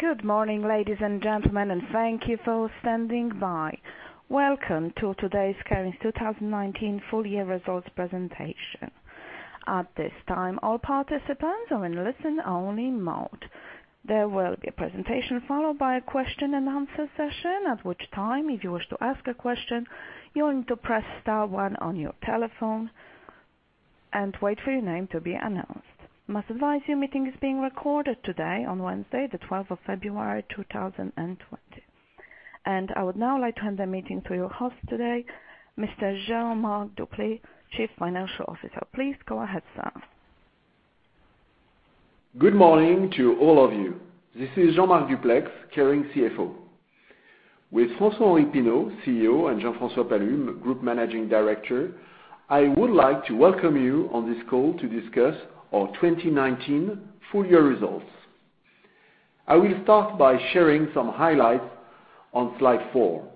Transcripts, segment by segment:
Good morning, ladies and gentlemen, thank you for standing by. Welcome to today's Kering's 2019 Full Year Results Presentation. At this time, all participants are in listen-only mode. There will be a presentation followed by a question-and-answer session. At which time, if you wish to ask a question, you're going to press star one on your telephone and wait for your name to be announced. I must advise you, the meeting is being recorded today on Wednesday, the 12th of February 2020. I would now like to hand the meeting to your host today, Mr. Jean-Marc Duplaix, Chief Financial Officer. Please go ahead, sir. Good morning to all of you. This is Jean-Marc Duplaix, Kering CFO. With François-Henri Pinault, CEO, and Jean-François Palus, Group Managing Director, I would like to welcome you on this call to discuss our 2019 full year results. I will start by sharing some highlights on slide four.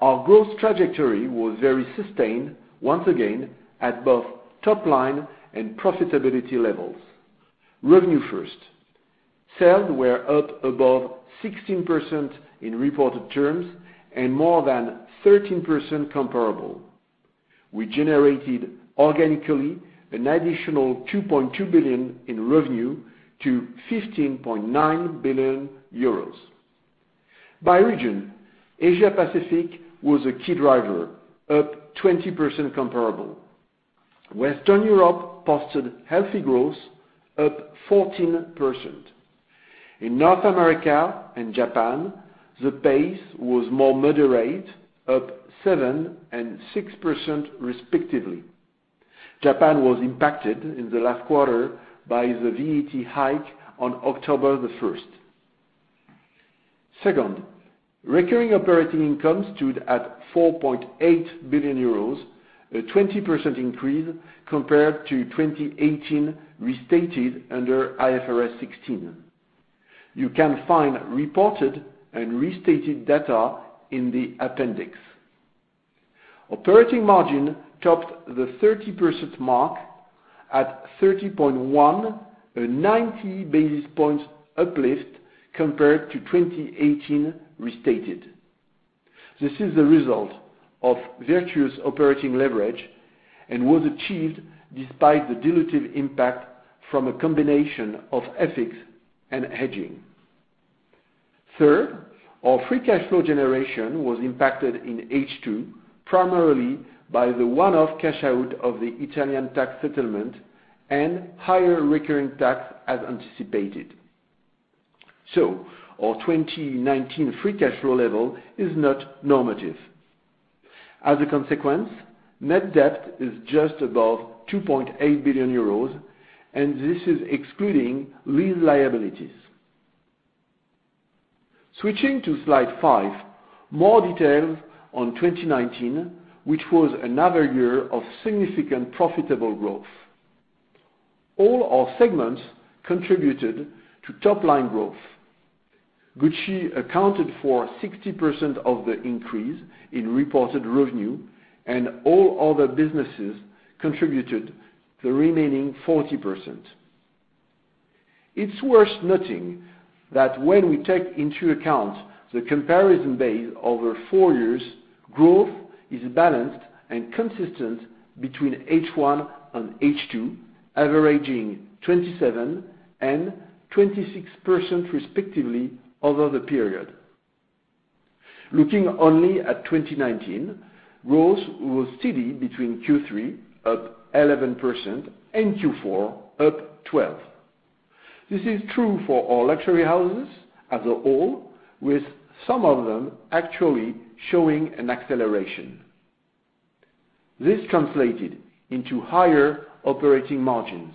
Our growth trajectory was very sustained once again at both top line and profitability levels. Revenue first. Sale were up above 16% in reported terms and more than 13% comparable. We generated organically an additional 2.2 billion in revenue to 15.9 billion euros. By region, Asia Pacific was a key driver, up 20% comparable. Western Europe posted healthy growth, up 14%. In North America and Japan, the pace was more moderate, up 7% and 6% respectively. Japan was impacted in the last quarter by the VAT hike on October 1st. Second, recurring operating income stood at 4.8 billion euros, a 20% increase compared to 2018 restated under IFRS 16. You can find reported and restated data in the appendix. Operating margin topped the 30% mark at 30.1%, a 90 basis points uplift compared to 2018 restated. This is the result of virtuous operating leverage and was achieved despite the dilutive impact from a combination of FX and hedging. Third, our free cash flow generation was impacted in H2 primarily by the one-off cash out of the Italian tax settlement and higher recurring tax as anticipated. Our 2019 free cash flow level is not normative. As a consequence, net debt is just above 2.8 billion euros, and this is excluding lease liabilities. Switching to slide five, more details on 2019, which was another year of significant profitable growth. All our segments contributed to top-line growth. Gucci accounted for 60% of the increase in reported revenue, and all other businesses contributed the remaining 40%. It's worth noting that when we take into account the comparison base over four years, growth is balanced and consistent between H1 and H2, averaging 27% and 26% respectively over the period. Looking only at 2019, growth was steady between Q3, up 11%, and Q4, up 12%. This is true for our luxury houses as a whole, with some of them actually showing an acceleration. This translated into higher operating margins.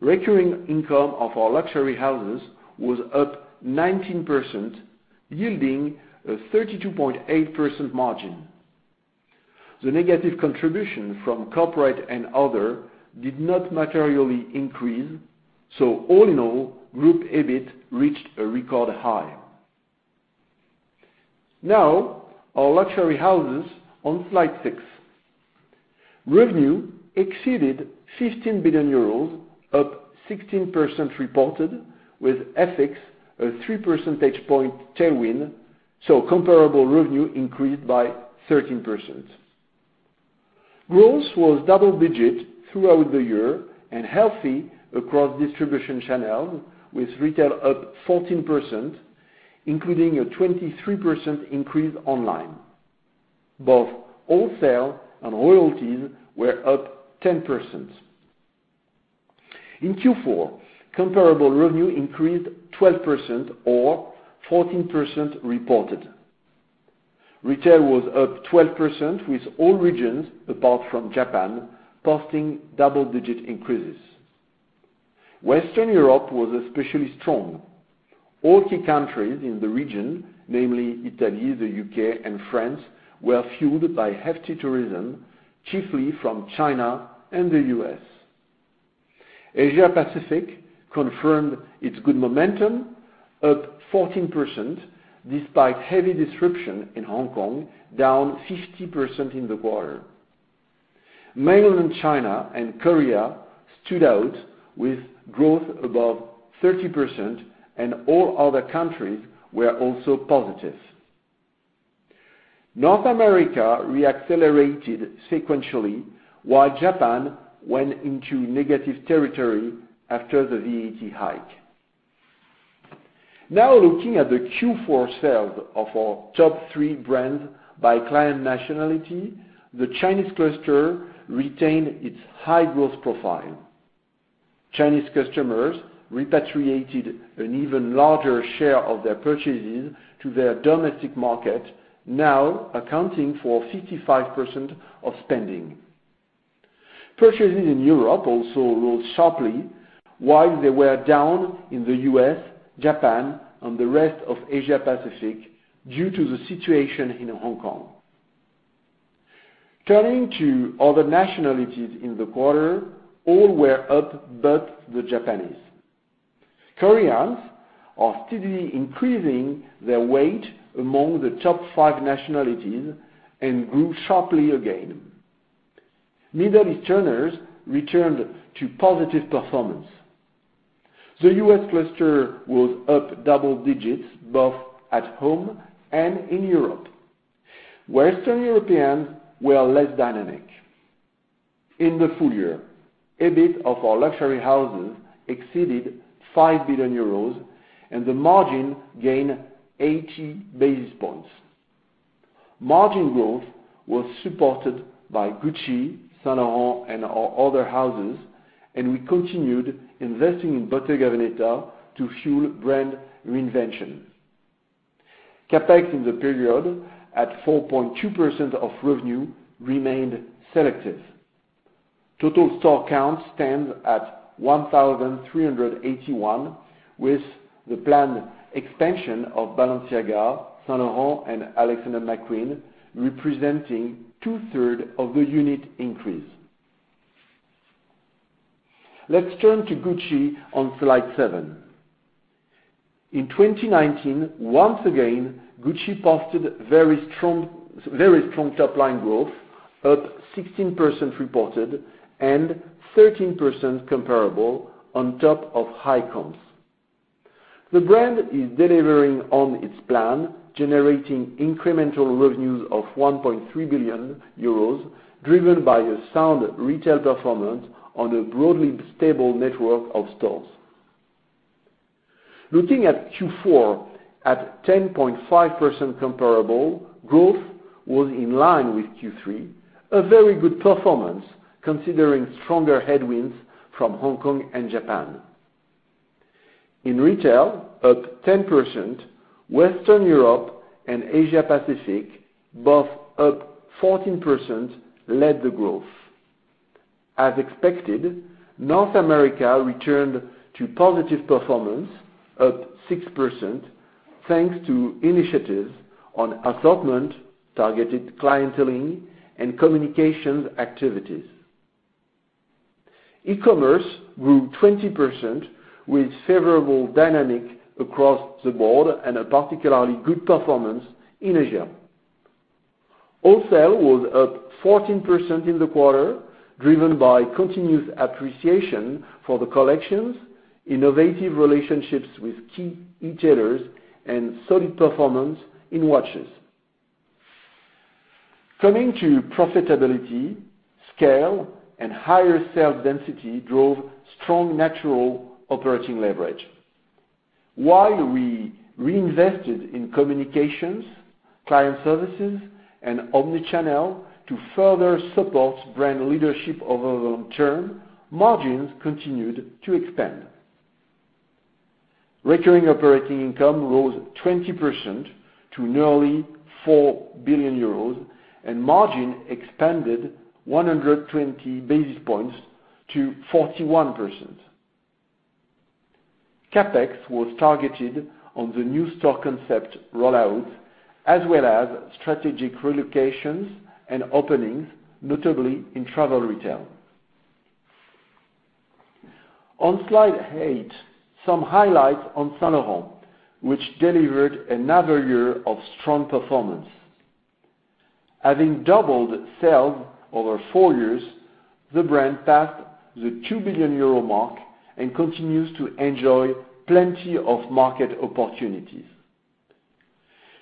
Recurring income of our luxury houses was up 19%, yielding a 32.8% margin. The negative contribution from corporate and other did not materially increase, so all in all, group EBIT reached a record high. Now, our luxury houses on slide six. Revenue exceeded 15 billion euros, up 16% reported with FX a three percentage point tailwind, so comparable revenue increased by 13%. Gross was double-digit throughout the year and healthy across distribution channels, with retail up 14%, including a 23% increase online. Both wholesale and royalties were up 10%. In Q4, comparable revenue increased 12% or 14% reported. Retail was up 12% with all regions apart from Japan posting double-digit increases. Western Europe was especially strong. All key countries in the region, namely Italy, the U.K., and France, were fueled by hefty tourism, chiefly from China and the U.S., Asia Pacific confirmed its good momentum, up 14% despite heavy disruption in Hong Kong, down 50% in the quarter. Mainland China and Korea stood out with growth above 30%, and all other countries were also positive. North America re-accelerated sequentially, while Japan went into negative territory after the VAT hike. Now looking at the Q4 sales of our top three brands by client nationality, the Chinese cluster retained its high-growth profile. Chinese customers repatriated an even larger share of their purchases to their domestic market, now accounting for 55% of spending. Purchases in Europe also rose sharply, while they were down in the U.S., Japan, and the rest of Asia Pacific due to the situation in Hong Kong. Turning to other nationalities in the quarter, all were up but the Japanese. Koreans are steadily increasing their weight among the top five nationalities and grew sharply again. Middle Easterners returned to positive performance. The U.S. cluster was up double digits both at home and in Europe, while Western Europeans were less dynamic. In the full year, EBIT of our luxury houses exceeded 5 billion euros. The margin gained 80 basis points. Margin growth was supported by Gucci, Saint Laurent, and our other houses. We continued investing in Bottega Veneta to fuel brand reinvention. CapEx in the period, at 4.2% of revenue, remained selective. Total store count stands at 1,381, with the planned expansion of Balenciaga, Saint Laurent, and Alexander McQueen representing two-third of the unit increase. Let's turn to Gucci on slide seven. In 2019, once again, Gucci posted very strong top-line growth, up 16% reported and 13% comparable on top of high comps. The brand is delivering on its plan, generating incremental revenues of 1.3 billion euros, driven by a sound retail performance on a broadly stable network of stores. Looking at Q4, at 10.5% comparable, growth was in line with Q3, a very good performance considering stronger headwinds from Hong Kong and Japan. In retail, up 10%, Western Europe and Asia Pacific, both up 14%, led the growth. As expected, North America returned to positive performance, up 6%, thanks to initiatives on assortment, targeted clienteling, and communications activities. E-commerce grew 20% with favorable dynamic across the board and a particularly good performance in Asia. Wholesale was up 14% in the quarter, driven by continuous appreciation for the collections, innovative relationships with key retailers, and solid performance in watches. Coming to profitability, scale and higher sales density drove strong natural operating leverage. While we reinvested in communications, client services, and omni-channel to further support brand leadership over long term, margins continued to expand. Recurring operating income rose 20% to nearly 4 billion euros, and margin expanded 120 basis points to 41%. CapEx was targeted on the new store concept rollout as well as strategic relocations and openings, notably in travel retail. On slide eight, some highlights on Saint Laurent, which delivered another year of strong performance. Having doubled sales over four years, the brand passed the 2 billion euro mark and continues to enjoy plenty of market opportunities.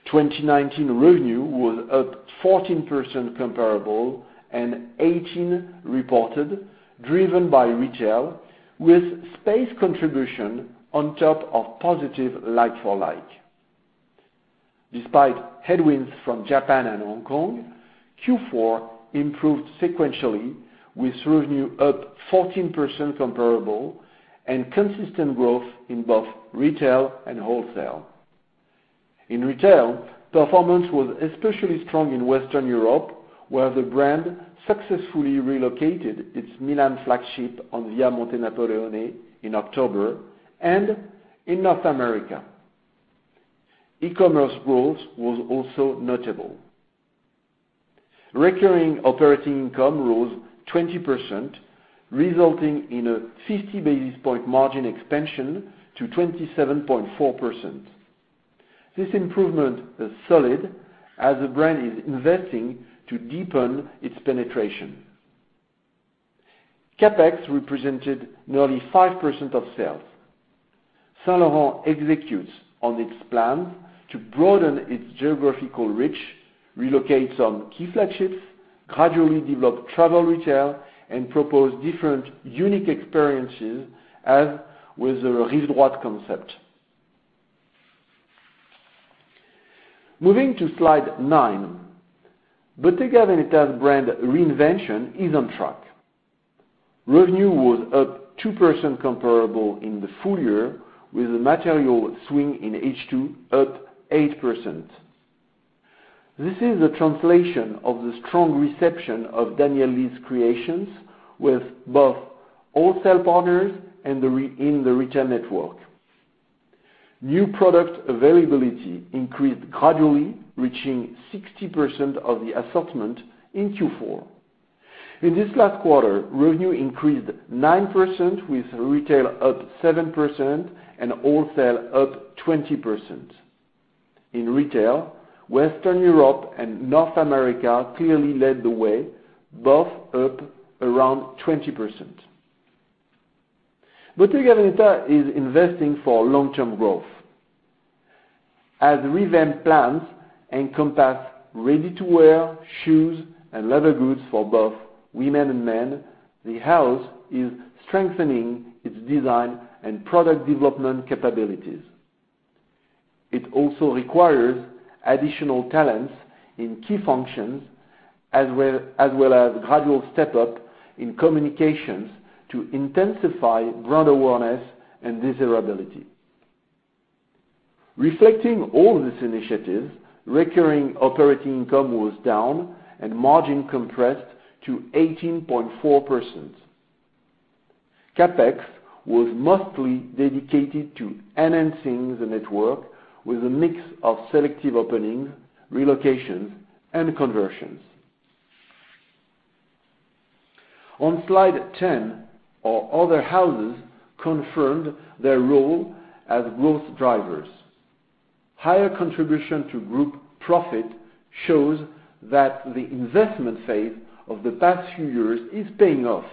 2019 revenue was up 14% comparable and 18% reported, driven by retail, with space contribution on top of positive like-for-like. Despite headwinds from Japan and Hong Kong, Q4 improved sequentially, with revenue up 14% comparable and consistent growth in both retail and wholesale. In retail, performance was especially strong in Western Europe, where the brand successfully relocated its Milan flagship on Via Monte Napoleone in October and in North America. E-commerce growth was also notable. Recurring operating income rose 20%, resulting in a 50 basis point margin expansion to 27.4%. This improvement is solid as the brand is investing to deepen its penetration. CapEx represented nearly 5% of sales. Saint Laurent executes on its plans to broaden its geographical reach, relocate some key flagships, gradually develop travel retail, and propose different unique experiences as with the Rive Droite concept. Moving to slide nine, Bottega Veneta's brand reinvention is on track. Revenue was up 2% comparable in the full year with a material swing in H2 up 8%. This is a translation of the strong reception of Daniel Lee's creations with both wholesale partners and in the retail network. New product availability increased gradually, reaching 60% of the assortment in Q4. In this last quarter, revenue increased 9% with retail up 7% and wholesale up 20%. In retail, Western Europe and North America clearly led the way, both up around 20%. Bottega Veneta is investing for long-term growth. As revamped plans encompass ready-to-wear shoes and leather goods for both women and men, the house is strengthening its design and product development capabilities. It also requires additional talents in key functions, as well as gradual step-up in communications to intensify brand awareness and desirability. Reflecting all these initiatives, recurring operating income was down and margin compressed to 18.4%. CapEx was mostly dedicated to enhancing the network with a mix of selective openings, relocations, and conversions. On slide 10, our other houses confirmed their role as growth drivers. Higher contribution to group profit shows that the investment phase of the past few years is paying off.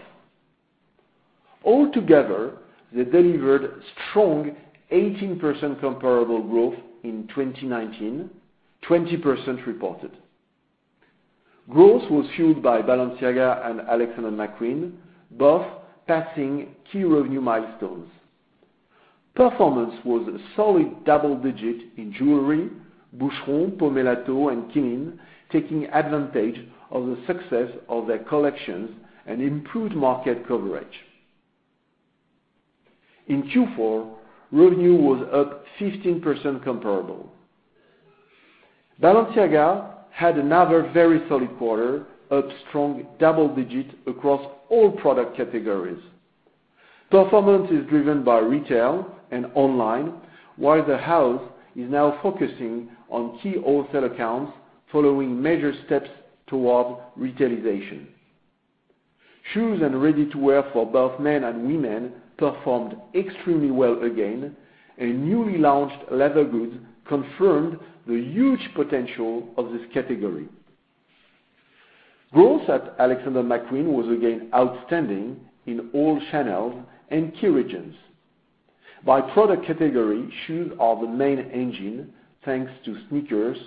Altogether, they delivered strong 18% comparable growth in 2019, 20% reported. Growth was fueled by Balenciaga and Alexander McQueen, both passing key revenue milestones. Performance was a solid double digit in jewelry, Boucheron, Pomellato, and Qeelin taking advantage of the success of their collections and improved market coverage. In Q4, revenue was up 15% comparable. Balenciaga had another very solid quarter, up strong double digits across all product categories. Performance is driven by retail and online, while the house is now focusing on key wholesale accounts following major steps towards retailization. Shoes and ready-to-wear for both men and women performed extremely well again, and newly launched leather goods confirmed the huge potential of this category. Growth at Alexander McQueen was again outstanding in all channels and key regions. By product category, shoes are the main engine thanks to sneakers,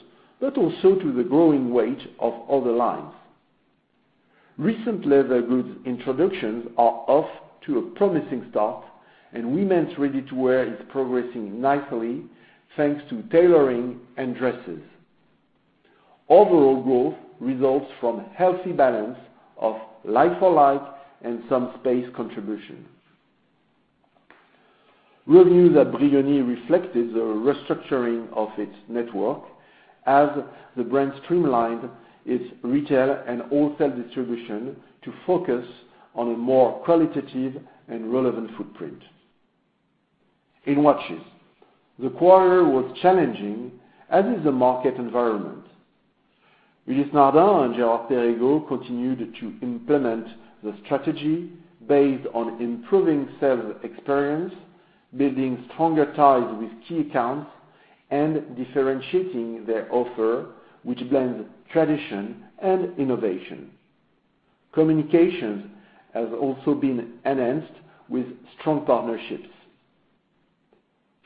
but also to the growing weight of other lines. Recent leather goods introductions are off to a promising start, and women's ready-to-wear is progressing nicely thanks to tailoring and dresses. Overall growth results from healthy balance of like-for-like and some space contribution. Revenue at Brioni reflected the restructuring of its network as the brand streamlined its retail and wholesale distribution to focus on a more qualitative and relevant footprint. In watches, the quarter was challenging as is the market environment. Ulysse Nardin and Girard-Perregaux continued to implement the strategy based on improving sales experience, building stronger ties with key accounts, and differentiating their offer, which blends tradition and innovation. Communications has also been enhanced with strong partnerships.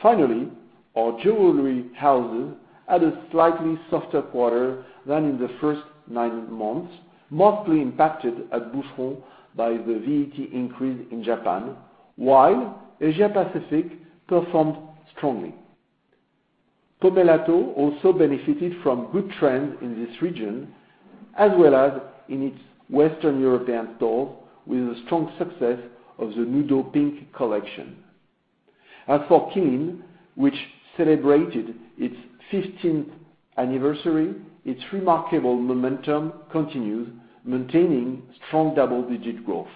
Finally, our jewelry houses had a slightly softer quarter than in the first nine months, mostly impacted at Boucheron by the VAT increase in Japan, while Asia-Pacific performed strongly. Pomellato also benefited from good trends in this region, as well as in its Western European stores with the strong success of the Nudo Pink collection. As for Qeelin, which celebrated its 15th anniversary, its remarkable momentum continues maintaining strong double-digit growth.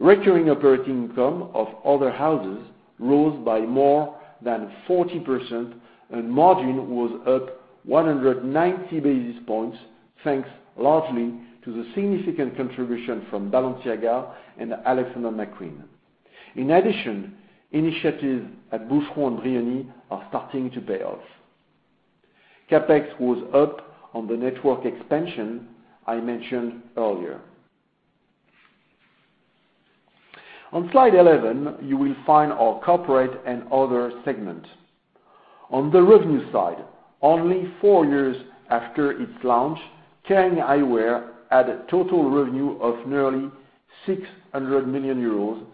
Recurring operating income of other houses rose by more than 40%. Margin was up 190 basis points, thanks largely to the significant contribution from Balenciaga and Alexander McQueen. In addition, initiatives at Boucheron and Brioni are starting to pay off. CapEx was up on the network expansion I mentioned earlier. On slide 11, you will find our corporate and other segment. On the revenue side, only four years after its launch, Kering Eyewear had a total revenue of nearly 600 million euros,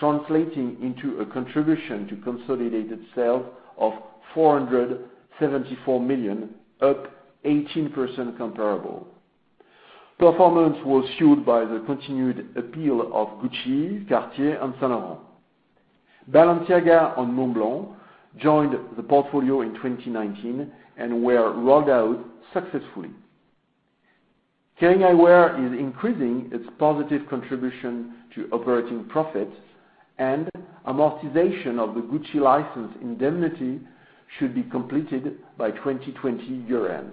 translating into a contribution to consolidated sales of 474 million, up 18% comparable. Performance was fueled by the continued appeal of Gucci, Cartier and Saint Laurent. Balenciaga and Montblanc joined the portfolio in 2019 and were rolled out successfully. Kering Eyewear is increasing its positive contribution to operating profits, and amortization of the Gucci license indemnity should be completed by 2020 year-end.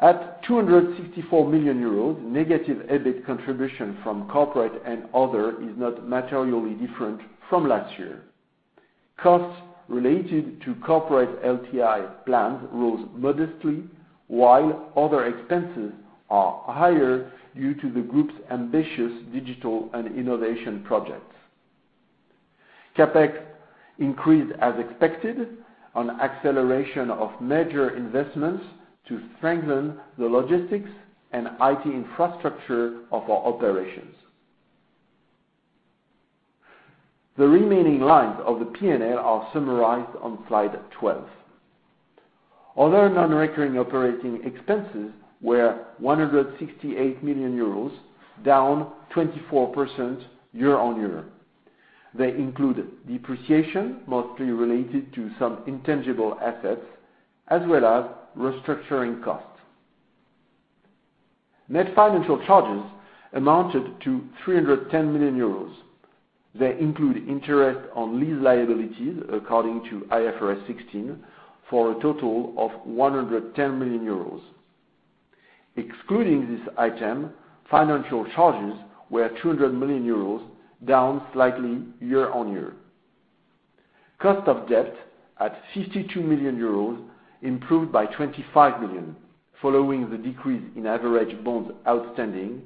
At 264 million euros, negative EBIT contribution from corporate and other is not materially different from last year. Costs related to corporate LTI plans rose modestly, while other expenses are higher due to the group's ambitious digital and innovation projects. CapEx increased as expected on acceleration of major investments to strengthen the logistics and IT infrastructure of our operations. The remaining lines of the P&L are summarized on slide 12. Other non-recurring operating expenses were 168 million euros, down 24% year-on-year. They include depreciation, mostly related to some intangible assets, as well as restructuring costs. Net financial charges amounted to 310 million euros. They include interest on lease liabilities according to IFRS 16 for a total of 110 million euros. Excluding this item, financial charges were 200 million euros, down slightly year-on-year. Cost of debt at 52 million euros improved by 25 million following the decrease in average bonds outstanding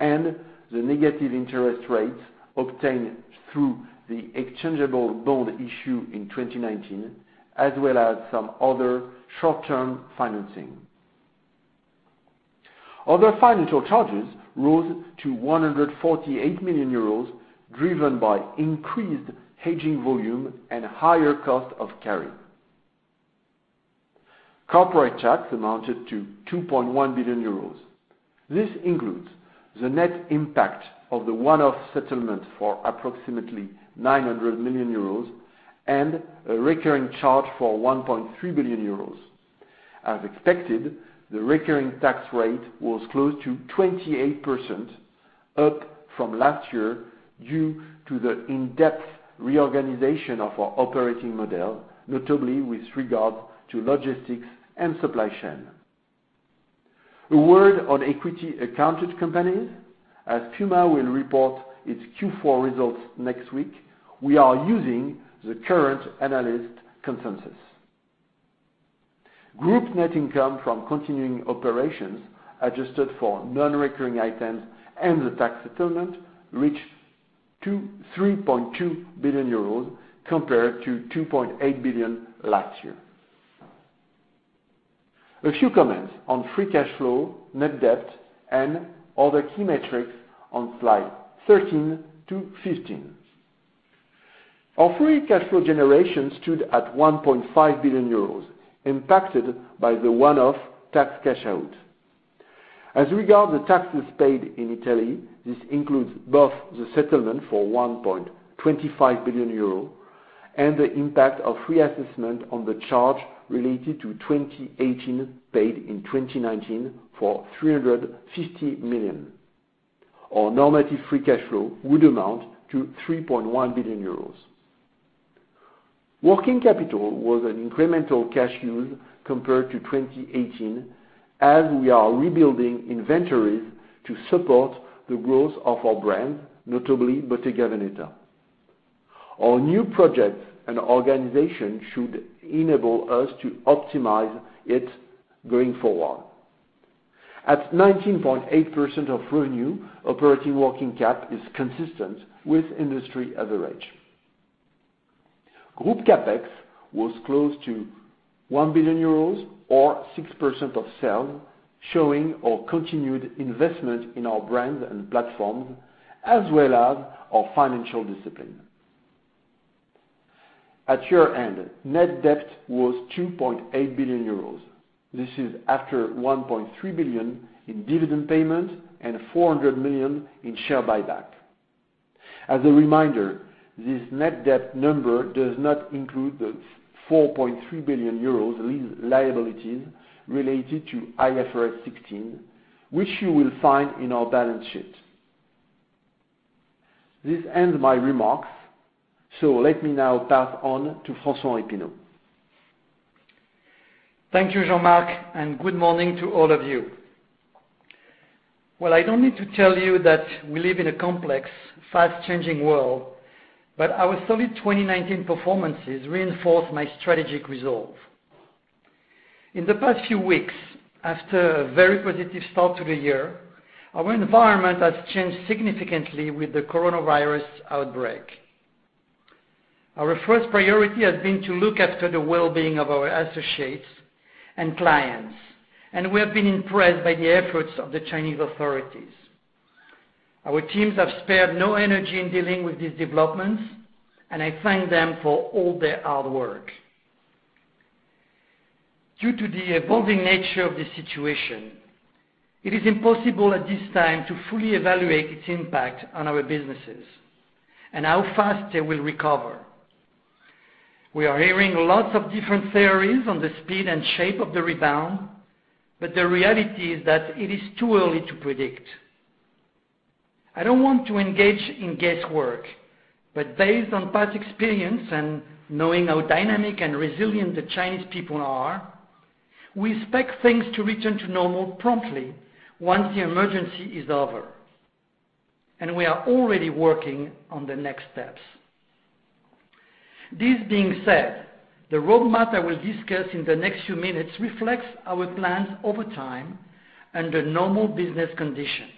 and the negative interest rates obtained through the exchangeable bond issue in 2019, as well as some other short-term financing. Other financial charges rose to 148 million euros, driven by increased hedging volume and higher cost of carrying. Corporate tax amounted to 2.1 billion euros. This includes the net impact of the one-off settlement for approximately 900 million euros and a recurring charge for 1.3 billion euros. As expected, the recurring tax rate was close to 28%, up from last year, due to the in-depth reorganization of our operating model, notably with regard to logistics and supply chain. A word on equity accounted companies. As Puma will report its Q4 results next week, we are using the current analyst consensus. Group net income from continuing operations adjusted for non-recurring items and the tax settlement reached 3.2 billion euros compared to 2.8 billion last year. A few comments on free cash flow, net debt, and other key metrics on slide 13 to 15. Our free cash flow generation stood at 1.5 billion euros, impacted by the one-off tax cash-out. As regard the taxes paid in Italy, this includes both the settlement for 1.25 billion euro and the impact of reassessment on the charge related to 2018 paid in 2019 for 350 million. Our normative free cash flow would amount to 3.1 billion euros. Working capital was an incremental cash use compared to 2018, as we are rebuilding inventories to support the growth of our brand, notably Bottega Veneta. Our new projects and organization should enable us to optimize it going forward. At 19.8% of revenue, operating working cap is consistent with industry average. Group CapEx was close to 1 billion euros or 6% of sales, showing our continued investment in our brands and platforms, as well as our financial discipline. At year-end, net debt was 2.8 billion euros. This is after 1.3 billion in dividend payment and 400 million in share buyback. As a reminder, this net debt number does not include the 4.3 billion euros lease liabilities related to IFRS 16, which you will find in our balance sheet. This ends my remarks. Let me now pass on to François-Henri Pinault. Thank you, Jean-Marc, and good morning to all of you. Well, I don't need to tell you that we live in a complex, fast-changing world, but our solid 2019 performances reinforce my strategic resolve. In the past few weeks, after a very positive start to the year, our environment has changed significantly with the coronavirus outbreak. Our first priority has been to look after the well-being of our associates and clients, and we have been impressed by the efforts of the Chinese authorities. Our teams have spared no energy in dealing with these developments, and I thank them for all their hard work. Due to the evolving nature of the situation, it is impossible at this time to fully evaluate its impact on our businesses and how fast they will recover. We are hearing lots of different theories on the speed and shape of the rebound, but the reality is that it is too early to predict. I don't want to engage in guesswork, but based on past experience and knowing how dynamic and resilient the Chinese people are, we expect things to return to normal promptly once the emergency is over, and we are already working on the next steps. This being said, the roadmap I will discuss in the next few minutes reflects our plans over time under normal business conditions.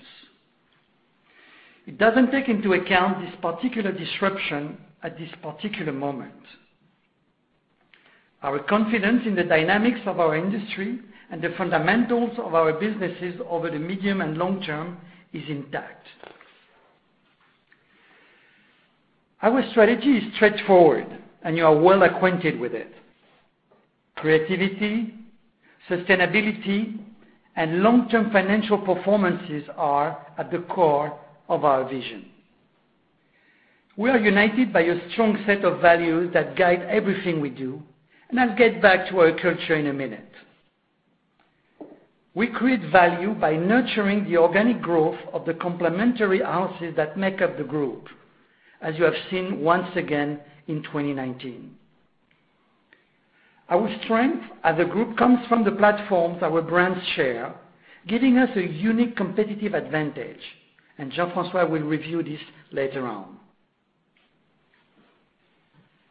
It doesn't take into account this particular disruption at this particular moment. Our confidence in the dynamics of our industry and the fundamentals of our businesses over the medium and long term is intact. Our strategy is straightforward, and you are well acquainted with it. Creativity, sustainability, and long-term financial performances are at the core of our vision. We are united by a strong set of values that guide everything we do, and I'll get back to our culture in a minute. We create value by nurturing the organic growth of the complementary houses that make up the group, as you have seen once again in 2019. Our strength as a group comes from the platforms our brands share, giving us a unique competitive advantage, and Jean-François will review this later on.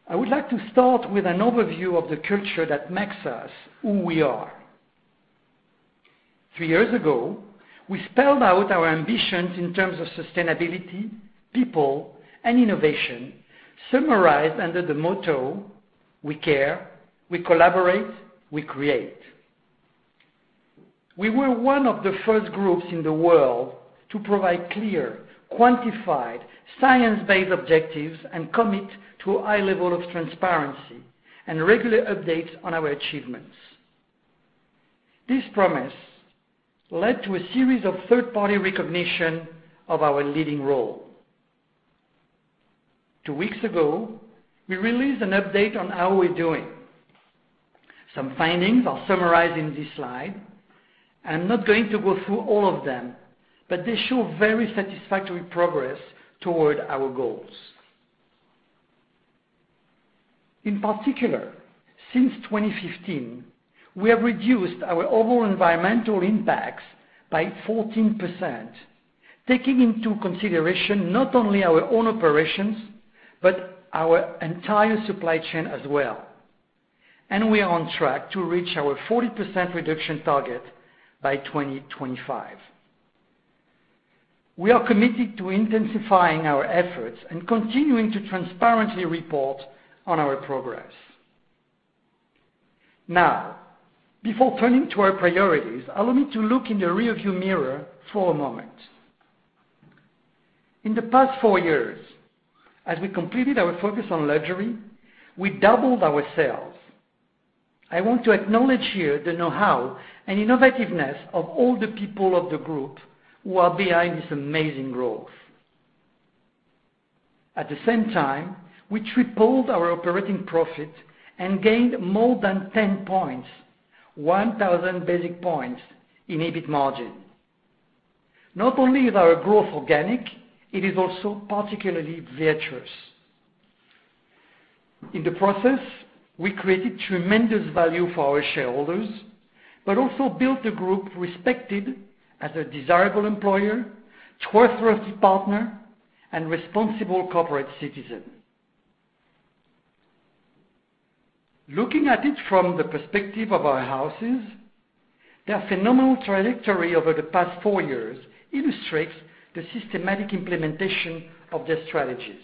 I would like to start with an overview of the culture that makes us who we are. Three years ago, we spelled out our ambitions in terms of sustainability, people, and innovation, summarized under the motto: we care, we collaborate, we create. We were one of the first groups in the world to provide clear, quantified, science-based objectives and commit to a high level of transparency and regular updates on our achievements. This promise led to a series of third-party recognition of our leading role. two weeks ago, we released an update on how we're doing. Some findings are summarized in this slide. I'm not going to go through all of them, but they show very satisfactory progress toward our goals. In particular, since 2015, we have reduced our overall environmental impacts by 14%, taking into consideration not only our own operations, but our entire supply chain as well, and we are on track to reach our 40% reduction target by 2025. We are committed to intensifying our efforts and continuing to transparently report on our progress. Now, before turning to our priorities, allow me to look in the rearview mirror for a moment. In the past four years, as we completed our focus on luxury, we doubled our sales. I want to acknowledge here the know-how and innovativeness of all the people of the group who are behind this amazing growth. At the same time, we tripled our operating profit and gained more than 10 points, 1,000 basis points in EBIT margin. Not only is our growth organic, it is also particularly virtuous. In the process, we created tremendous value for our shareholders, but also built a group respected as a desirable employer, trustworthy partner, and responsible corporate citizen. Looking at it from the perspective of our houses, their phenomenal trajectory over the past four years illustrates the systematic implementation of their strategies.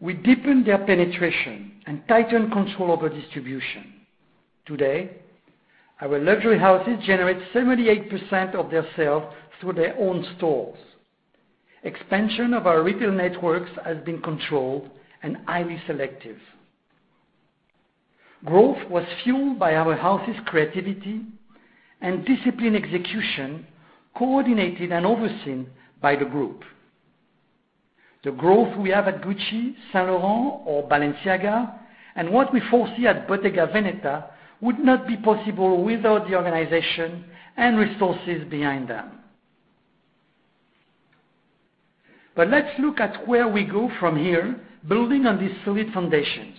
We deepened their penetration and tightened control over distribution. Today, our luxury houses generate 78% of their sales through their own stores. Expansion of our retail networks has been controlled and highly selective. Growth was fueled by our houses' creativity and disciplined execution, coordinated and overseen by the group. The growth we have at Gucci, Saint Laurent, or Balenciaga, and what we foresee at Bottega Veneta, would not be possible without the organization and resources behind them. Let's look at where we go from here, building on these solid foundations.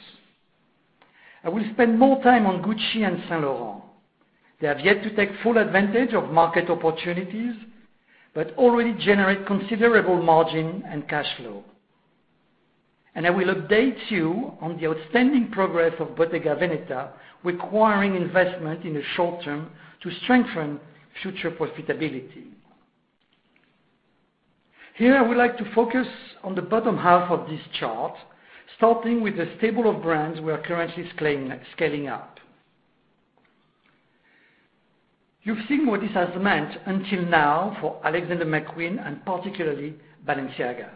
I will spend more time on Gucci and Saint Laurent. They have yet to take full advantage of market opportunities, but already generate considerable margin and cash flow. I will update you on the outstanding progress of Bottega Veneta, requiring investment in the short term to strengthen future profitability. Here, I would like to focus on the bottom half of this chart, starting with a stable of brands we are currently scaling up. You've seen what this has meant until now for Alexander McQueen and particularly Balenciaga.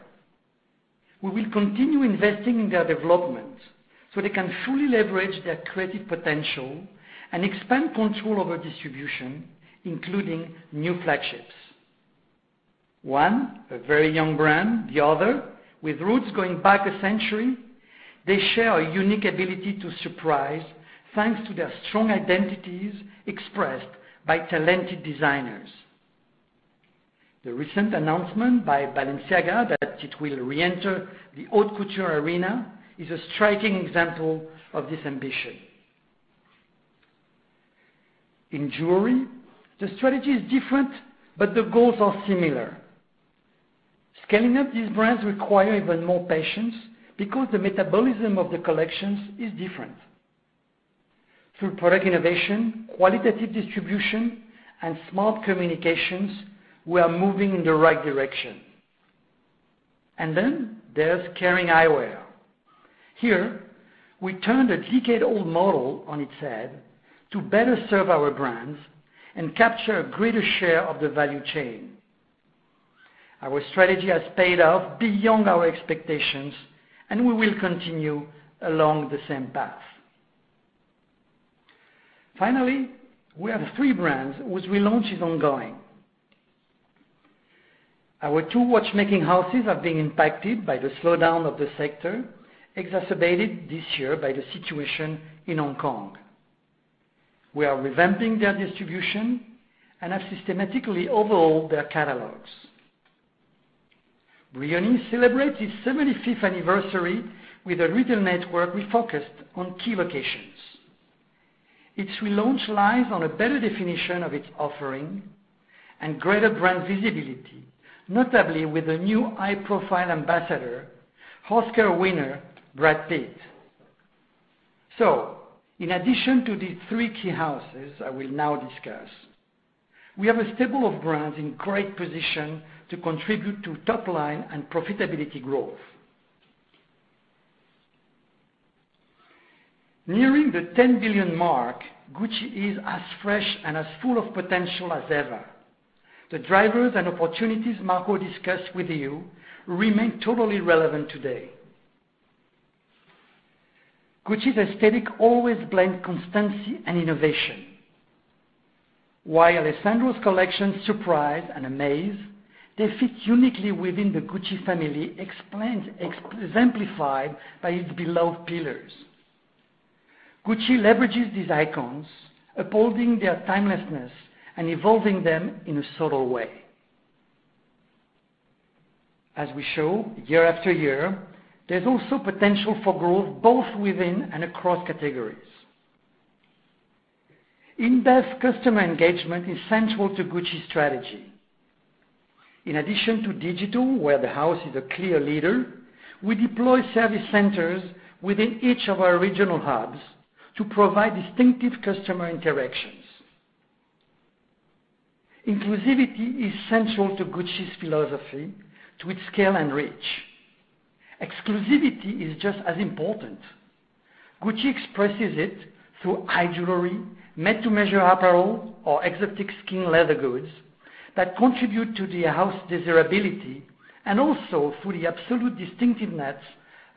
We will continue investing in their development so they can fully leverage their creative potential and expand control over distribution, including new flagships. One, a very young brand, the other, with roots going back a century, they share a unique ability to surprise thanks to their strong identities expressed by talented designers. The recent announcement by Balenciaga that it will reenter the haute couture arena is a striking example of this ambition. In jewelry, the strategy is different, the goals are similar. Scaling up these brands require even more patience because the metabolism of the collections is different. Through product innovation, qualitative distribution, and smart communications, we are moving in the right direction. There's Kering Eyewear. Here, we turned a decade-old model on its head to better serve our brands and capture a greater share of the value chain. Our strategy has paid off beyond our expectations, and we will continue along the same path. We have three brands whose relaunch is ongoing. Our two watchmaking houses are being impacted by the slowdown of the sector, exacerbated this year by the situation in Hong Kong. We are revamping their distribution and have systematically overhauled their catalogs. Brioni celebrates its 75th anniversary with a retail network refocused on key locations. Its relaunch lies on a better definition of its offering and greater brand visibility, notably with a new high-profile ambassador, Oscar winner Brad Pitt. In addition to these three key houses I will now discuss, we have a stable of brands in great position to contribute to top line and profitability growth. Nearing the 10 billion mark, Gucci is as fresh and as full of potential as ever. The drivers and opportunities Marco discussed with you remain totally relevant today. Gucci's aesthetic always blend constancy and innovation. While Alessandro's collections surprise and amaze, they fit uniquely within the Gucci family, exemplified by its beloved pillars. Gucci leverages these icons, upholding their timelessness and evolving them in a subtle way. As we show year after year, there's also potential for growth both within and across categories. In-depth customer engagement is central to Gucci's strategy. In addition to digital, where the house is a clear leader, we deploy service centers within each of our regional hubs to provide distinctive customer interactions. Inclusivity is central to Gucci's philosophy, to its scale and reach. Exclusivity is just as important. Gucci expresses it through high jewelry, made to measure apparel, or exotic skin leather goods that contribute to the house desirability and also through the absolute distinctiveness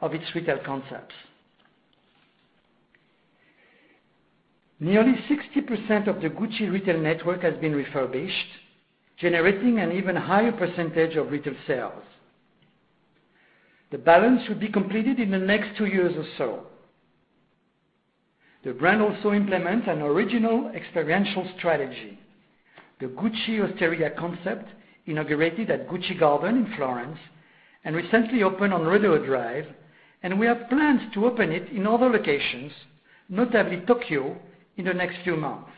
of its retail concepts. Nearly 60% of the Gucci retail network has been refurbished, generating an even higher percentage of retail sales. The balance should be completed in the next two years or so. The brand also implements an original experiential strategy. The Gucci Osteria concept inaugurated at Gucci Garden in Florence and recently opened on Rodeo Drive. We have plans to open it in other locations, notably Tokyo, in the next few months.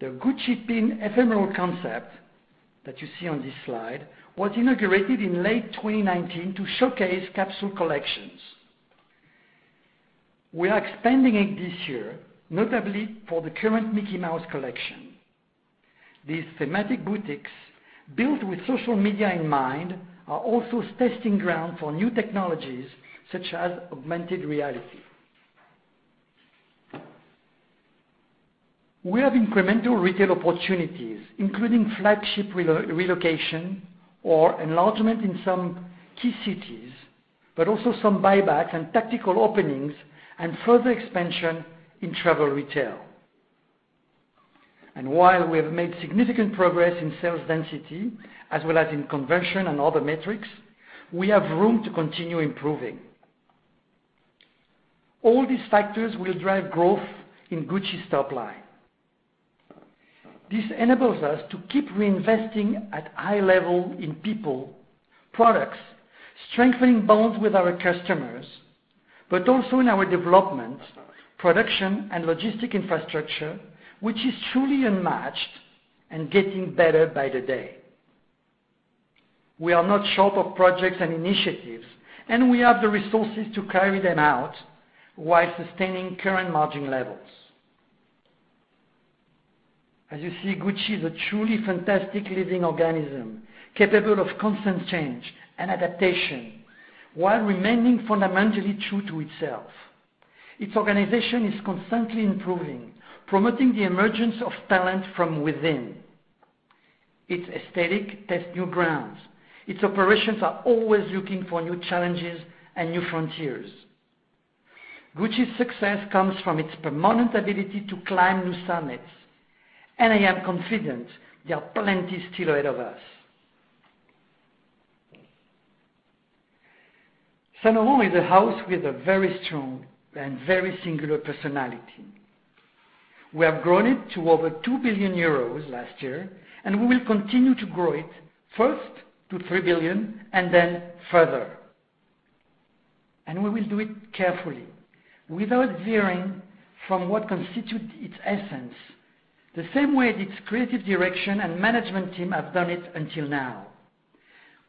The Gucci Pin Ephemeral concept that you see on this slide was inaugurated in late 2019 to showcase capsule collections. We are expanding it this year, notably for the current Mickey Mouse collection. These thematic boutiques, built with social media in mind, are also testing ground for new technologies, such as augmented reality. We have incremental retail opportunities, including flagship relocation or enlargement in some key cities, but also some buybacks and tactical openings and further expansion in travel retail. While we have made significant progress in sales density, as well as in conversion and other metrics, we have room to continue improving. All these factors will drive growth in Gucci's top line. This enables us to keep reinvesting at high level in people, products, strengthening bonds with our customers, but also in our development, production, and logistic infrastructure, which is truly unmatched and getting better by the day. We are not short of projects and initiatives, we have the resources to carry them out while sustaining current margin levels. As you see, Gucci is a truly fantastic living organism, capable of constant change and adaptation, while remaining fundamentally true to itself. Its organization is constantly improving, promoting the emergence of talent from within. Its aesthetic tests new grounds. Its operations are always looking for new challenges and new frontiers. Gucci's success comes from its permanent ability to climb new summits, and I am confident there are plenty still ahead of us. Saint Laurent is a house with a very strong and very singular personality. We have grown it to over 2 billion euros last year, and we will continue to grow it first to 3 billion and then further. We will do it carefully, without veering from what constitutes its essence, the same way its creative direction and management team have done it until now.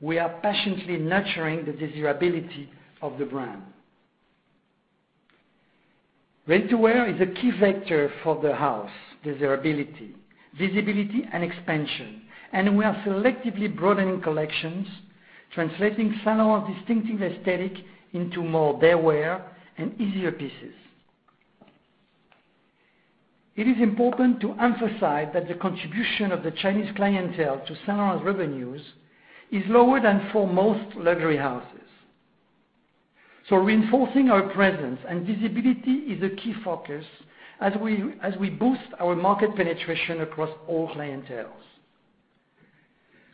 We are passionately nurturing the desirability of the brand. Ready-to-wear is a key factor for the house, desirability, visibility, and expansion, and we are selectively broadening collections, translating Saint Laurent's distinctive aesthetic into more daywear and easier pieces. It is important to emphasize that the contribution of the Chinese clientele to Saint Laurent's revenues is lower than for most luxury houses. Reinforcing our presence and visibility is a key focus as we boost our market penetration across all clienteles.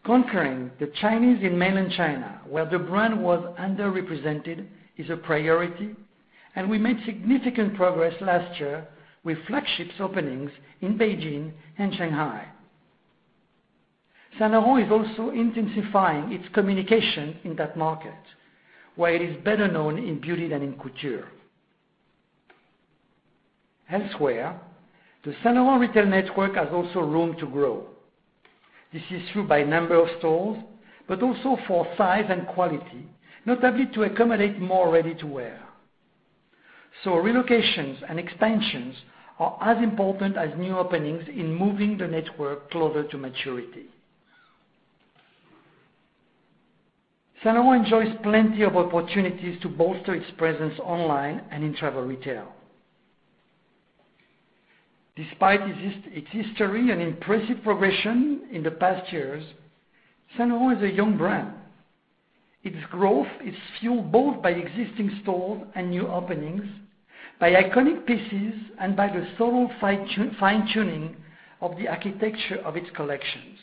Conquering the Chinese in mainland China, where the brand was underrepresented, is a priority, and we made significant progress last year with flagships openings in Beijing and Shanghai. Saint Laurent is also intensifying its communication in that market, where it is better known in beauty than in couture. Elsewhere, the Saint Laurent retail network has also room to grow. This is true by number of stores, but also for size and quality, notably to accommodate more ready-to-wear. Relocations and expansions are as important as new openings in moving the network closer to maturity. Saint Laurent enjoys plenty of opportunities to bolster its presence online and in travel retail. Despite its history and impressive progression in the past years, Saint Laurent is a young brand. Its growth is fueled both by existing stores and new openings, by iconic pieces, and by the thorough fine-tuning of the architecture of its collections.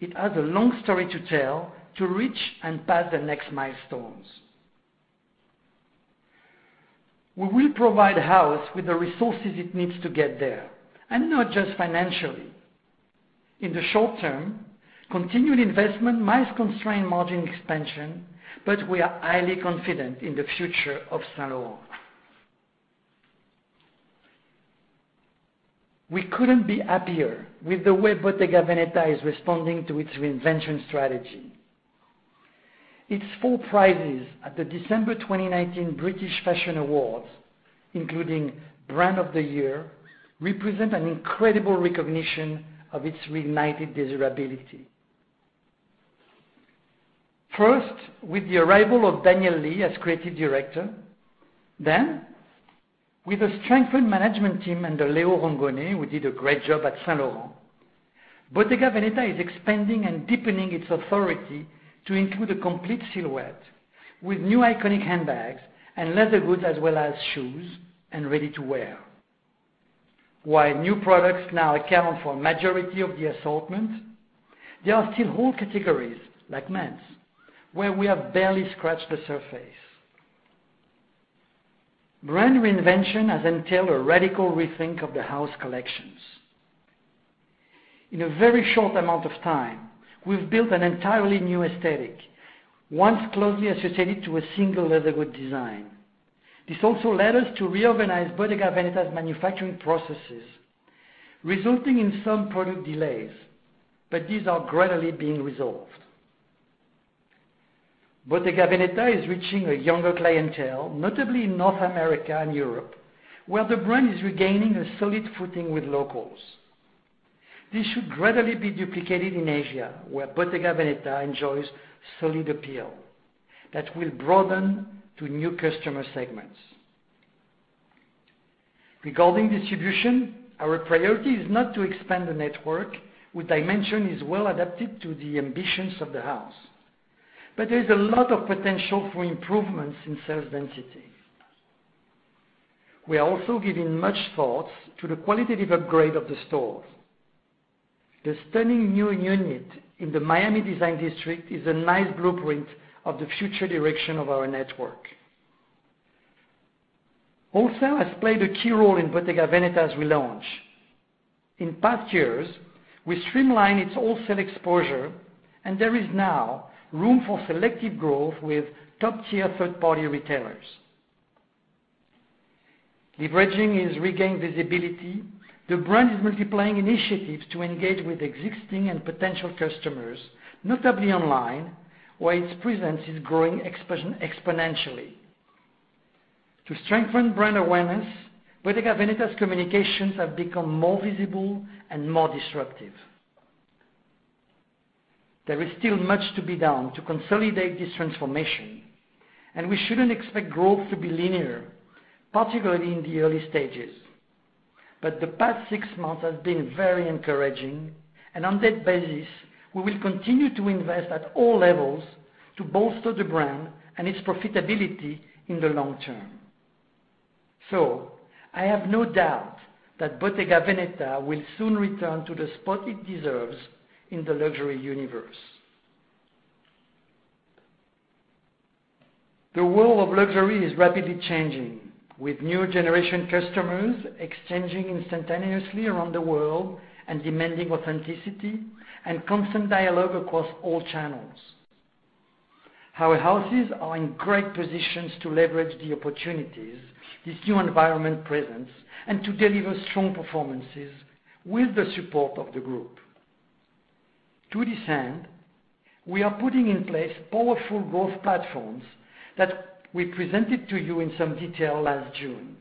It has a long story to tell to reach and pass the next milestones. We will provide house with the resources it needs to get there, and not just financially. In the short term, continued investment might constrain margin expansion, but we are highly confident in the future of Saint Laurent. We couldn't be happier with the way Bottega Veneta is responding to its reinvention strategy. Its four prizes at the December 2019 The Fashion Awards, including Brand of the Year, represent an incredible recognition of its reignited desirability. First, with the arrival of Daniel Lee as Creative Director, then with a strengthened management team under Leo Rongone, who did a great job at Saint Laurent, Bottega Veneta is expanding and deepening its authority to include a complete silhouette with new iconic handbags and leather goods as well as shoes and ready-to-wear. While new products now account for a majority of the assortment, there are still whole categories, like men's, where we have barely scratched the surface. Brand reinvention has entailed a radical rethink of the house collections. In a very short amount of time, we've built an entirely new aesthetic, once closely associated to a single leather good design. This also led us to reorganize Bottega Veneta's manufacturing processes, resulting in some product delays. These are gradually being resolved. Bottega Veneta is reaching a younger clientele, notably in North America and Europe, where the brand is regaining a solid footing with locals. This should gradually be duplicated in Asia, where Bottega Veneta enjoys solid appeal that will broaden to new customer segments. Regarding distribution, our priority is not to expand the network, which I mentioned is well adapted to the ambitions of the house, but there is a lot of potential for improvements in sales density. We are also giving much thoughts to the qualitative upgrade of the stores. The stunning new unit in the Miami Design District is a nice blueprint of the future direction of our network. Wholesale has played a key role in Bottega Veneta's relaunch. In past years, we streamlined its wholesale exposure, and there is now room for selective growth with top-Tier third-party retailers. Leveraging its regained visibility, the brand is multiplying initiatives to engage with existing and potential customers, notably online, where its presence is growing exponentially. To strengthen brand awareness, Bottega Veneta's communications have become more visible and more disruptive. There is still much to be done to consolidate this transformation, and we shouldn't expect growth to be linear, particularly in the early stages. The past six months have been very encouraging, and on that basis, we will continue to invest at all levels to bolster the brand and its profitability in the long term. I have no doubt that Bottega Veneta will soon return to the spot it deserves in the luxury universe. The world of luxury is rapidly changing, with new generation customers exchanging instantaneously around the world and demanding authenticity and constant dialogue across all channels. Our houses are in great positions to leverage the opportunities this new environment presents and to deliver strong performances with the support of the group. To this end, we are putting in place powerful growth platforms that we presented to you in some detail last June.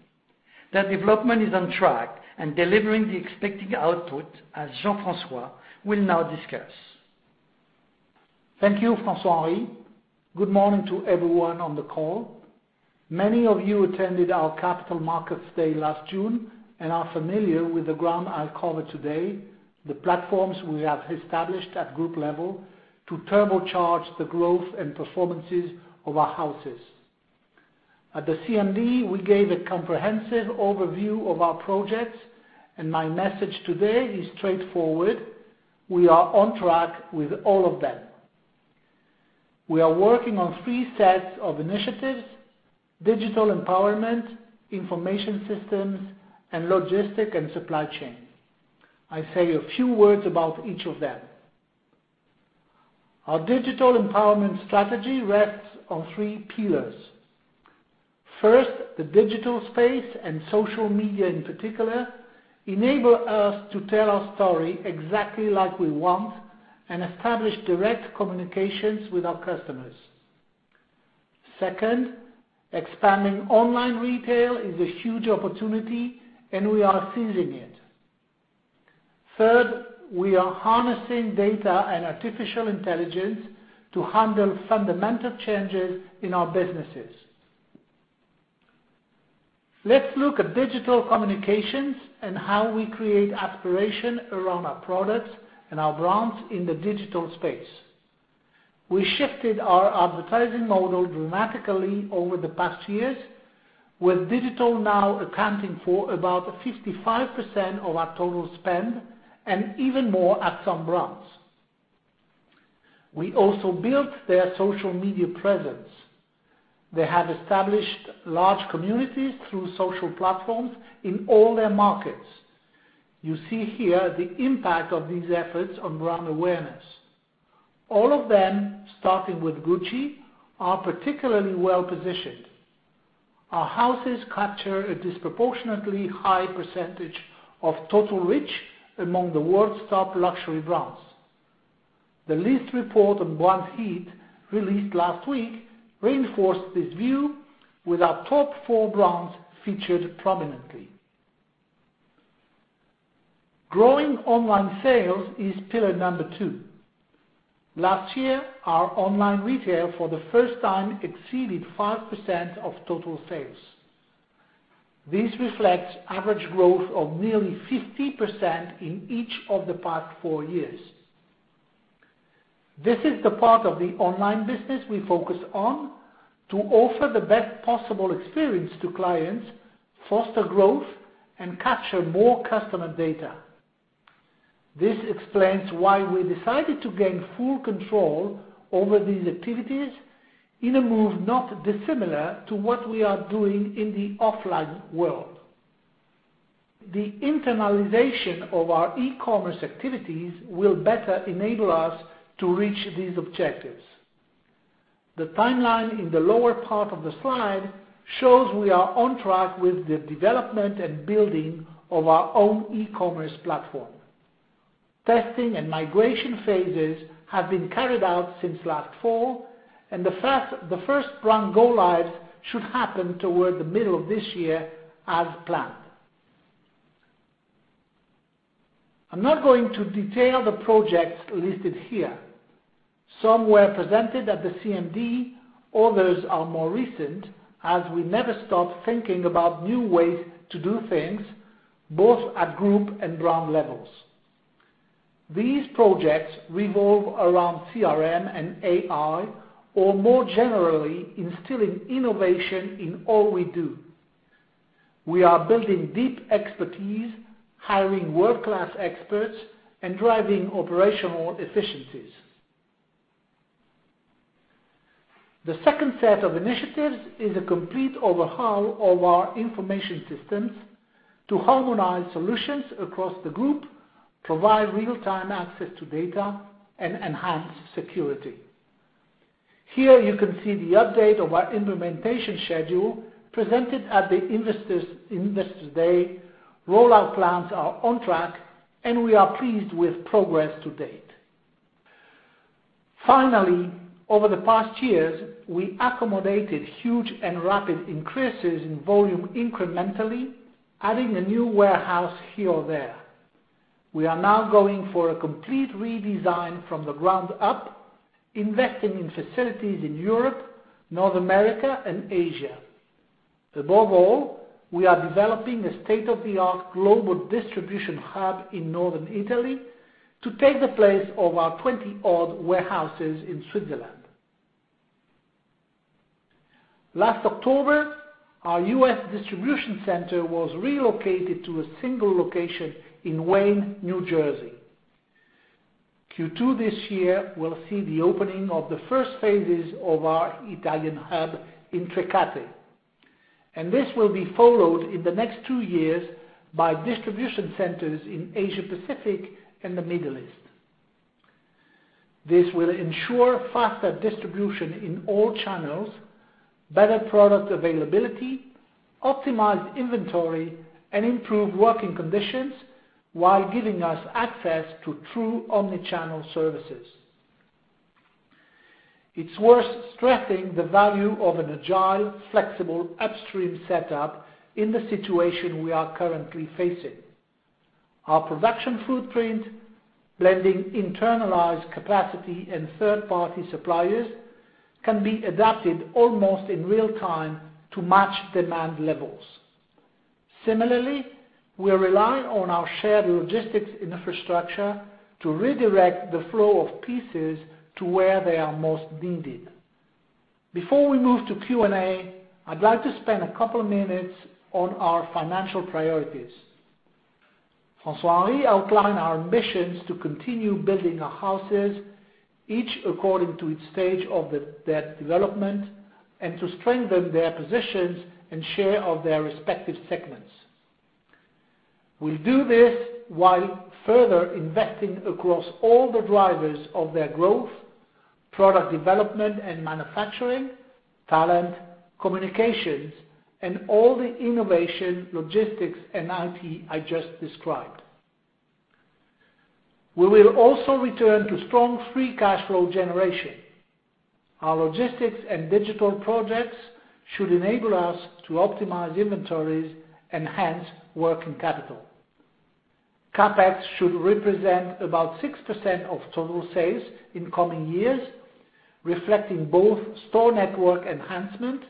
Their development is on track and delivering the expected output, as Jean-François will now discuss. Thank you, François-Henri. Good morning to everyone on the call. Many of you attended our Capital Markets Day last June and are familiar with the ground I'll cover today, the platforms we have established at group level to turbocharge the growth and performances of our houses. At the CMD, we gave a comprehensive overview of our projects, and my message today is straightforward: We are on track with all of them. We are working on three sets of initiatives: digital empowerment, information systems, and logistic and supply chain. I'll say a few words about each of them. Our digital empowerment strategy rests on three pillars. First, the digital space, and social media in particular, enable us to tell our story exactly like we want and establish direct communications with our customers. Second, expanding online retail is a huge opportunity, and we are seizing it. Third, we are harnessing data and artificial intelligence to handle fundamental changes in our businesses. Let's look at digital communications and how we create aspiration around our products and our brands in the digital space. We shifted our advertising model dramatically over the past years, with digital now accounting for about 55% of our total spend and even more at some brands. We also built their social media presence. They have established large communities through social platforms in all their markets. You see here the impact of these efforts on brand awareness. All of them, starting with Gucci, are particularly well-positioned. Our houses capture a disproportionately high percentage of total reach among the world's top luxury brands. The latest report on brand heat, released last week, reinforced this view with our top four brands featured prominently. Growing online sales is pillar number two. Last year, our online retail for the first time exceeded 5% of total sales. This reflects average growth of nearly 50% in each of the past four years. This is the part of the online business we focus on to offer the best possible experience to clients, foster growth, and capture more customer data. This explains why we decided to gain full control over these activities in a move not dissimilar to what we are doing in the offline world. The internalization of our e-commerce activities will better enable us to reach these objectives. The timeline in the lower part of the slide shows we are on track with the development and building of our own e-commerce platform. Testing and migration phases have been carried out since last fall, and the first brand go-lives should happen toward the middle of this year as planned. I'm not going to detail the projects listed here. Some were presented at the CMD. Others are more recent, as we never stop thinking about new ways to do things, both at group and brand levels. These projects revolve around CRM and AI, or more generally, instilling innovation in all we do. We are building deep expertise, hiring world-class experts, and driving operational efficiencies. The second set of initiatives is a complete overhaul of our information systems to harmonize solutions across the group, provide real-time access to data, and enhance security. Here you can see the update of our implementation schedule presented at the Investors Day. Rollout plans are on track, and we are pleased with progress to date. Finally, over the past years, we accommodated huge and rapid increases in volume incrementally, adding a new warehouse here or there. We are now going for a complete redesign from the ground up, investing in facilities in Europe, North America, and Asia. Above all, we are developing a state-of-the-art global distribution hub in Northern Italy to take the place of our 20-odd warehouses in Switzerland. Last October, our U.S. distribution center was relocated to a single location in Wayne, New Jersey. Q2 this year will see the opening of the first phases of our Italian hub in Trecate, and this will be followed in the next two years by distribution centers in Asia-Pacific and the Middle East. This will ensure faster distribution in all channels, better product availability, optimized inventory, and improved working conditions, while giving us access to true omni-channel services. It's worth stressing the value of an agile, flexible upstream setup in the situation we are currently facing. Our production footprint, blending internalized capacity and third-party suppliers, can be adapted almost in real time to match demand levels. Similarly, we are relying on our shared logistics infrastructure to redirect the flow of pieces to where they are most needed. Before we move to Q&A, I'd like to spend a couple minutes on our financial priorities. François-Henri outlined our ambitions to continue building our houses, each according to its stage of development, and to strengthen their positions and share of their respective segments. We do this while further investing across all the drivers of their growth, product development and manufacturing, talent, communications, and all the innovation, logistics, and IT I just described. We will also return to strong free cash flow generation. Our logistics and digital projects should enable us to optimize inventories, enhance working capital. CapEx should represent about 6% of total sales in coming years, reflecting both store network enhancement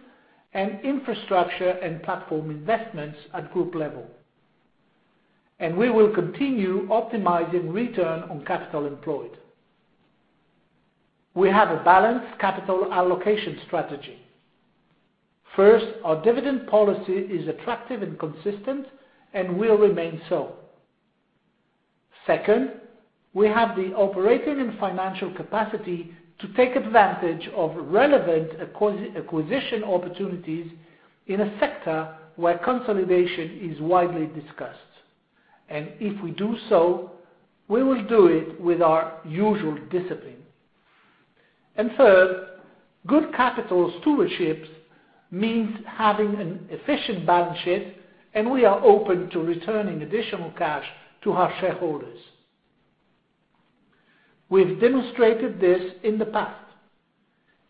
and infrastructure and platform investments at group level. We will continue optimizing return on capital employed. We have a balanced capital allocation strategy. First, our dividend policy is attractive and consistent and will remain so. Second, we have the operating and financial capacity to take advantage of relevant acquisition opportunities in a sector where consolidation is widely discussed. If we do so, we will do it with our usual discipline. Third, good capital stewardship means having an efficient balance sheet, and we are open to returning additional cash to our shareholders. We've demonstrated this in the past.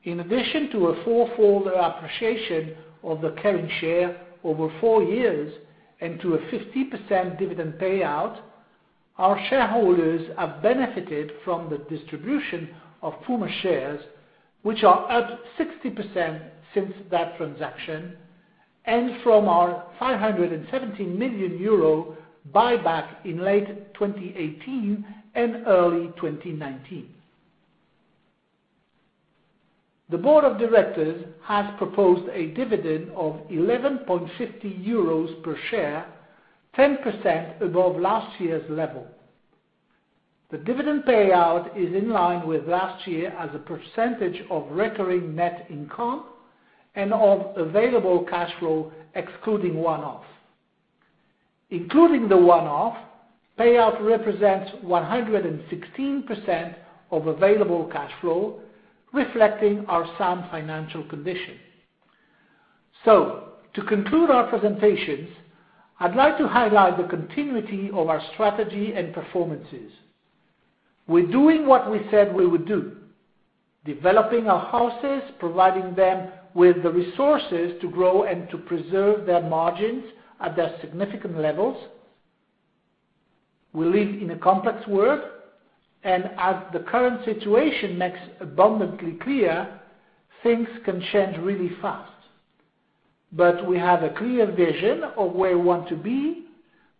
In addition to a four-fold appreciation of the current share over four years and to a 50% dividend payout, our shareholders have benefited from the distribution of Puma shares, which are up 60% since that transaction, and from our 570 million euro buyback in late 2018 and early 2019. The board of directors has proposed a dividend of 11.50 euros per share, 10% above last year's level. The dividend payout is in line with last year as a percentage of recurring net income and of available cash flow excluding one-off. Including the one-off, payout represents 116% of available cash flow, reflecting our sound financial condition. To conclude our presentations, I'd like to highlight the continuity of our strategy and performances. We're doing what we said we would do, developing our houses, providing them with the resources to grow and to preserve their margins at their significant levels. We live in a complex world, and as the current situation makes abundantly clear, things can change really fast. We have a clear vision of where we want to be.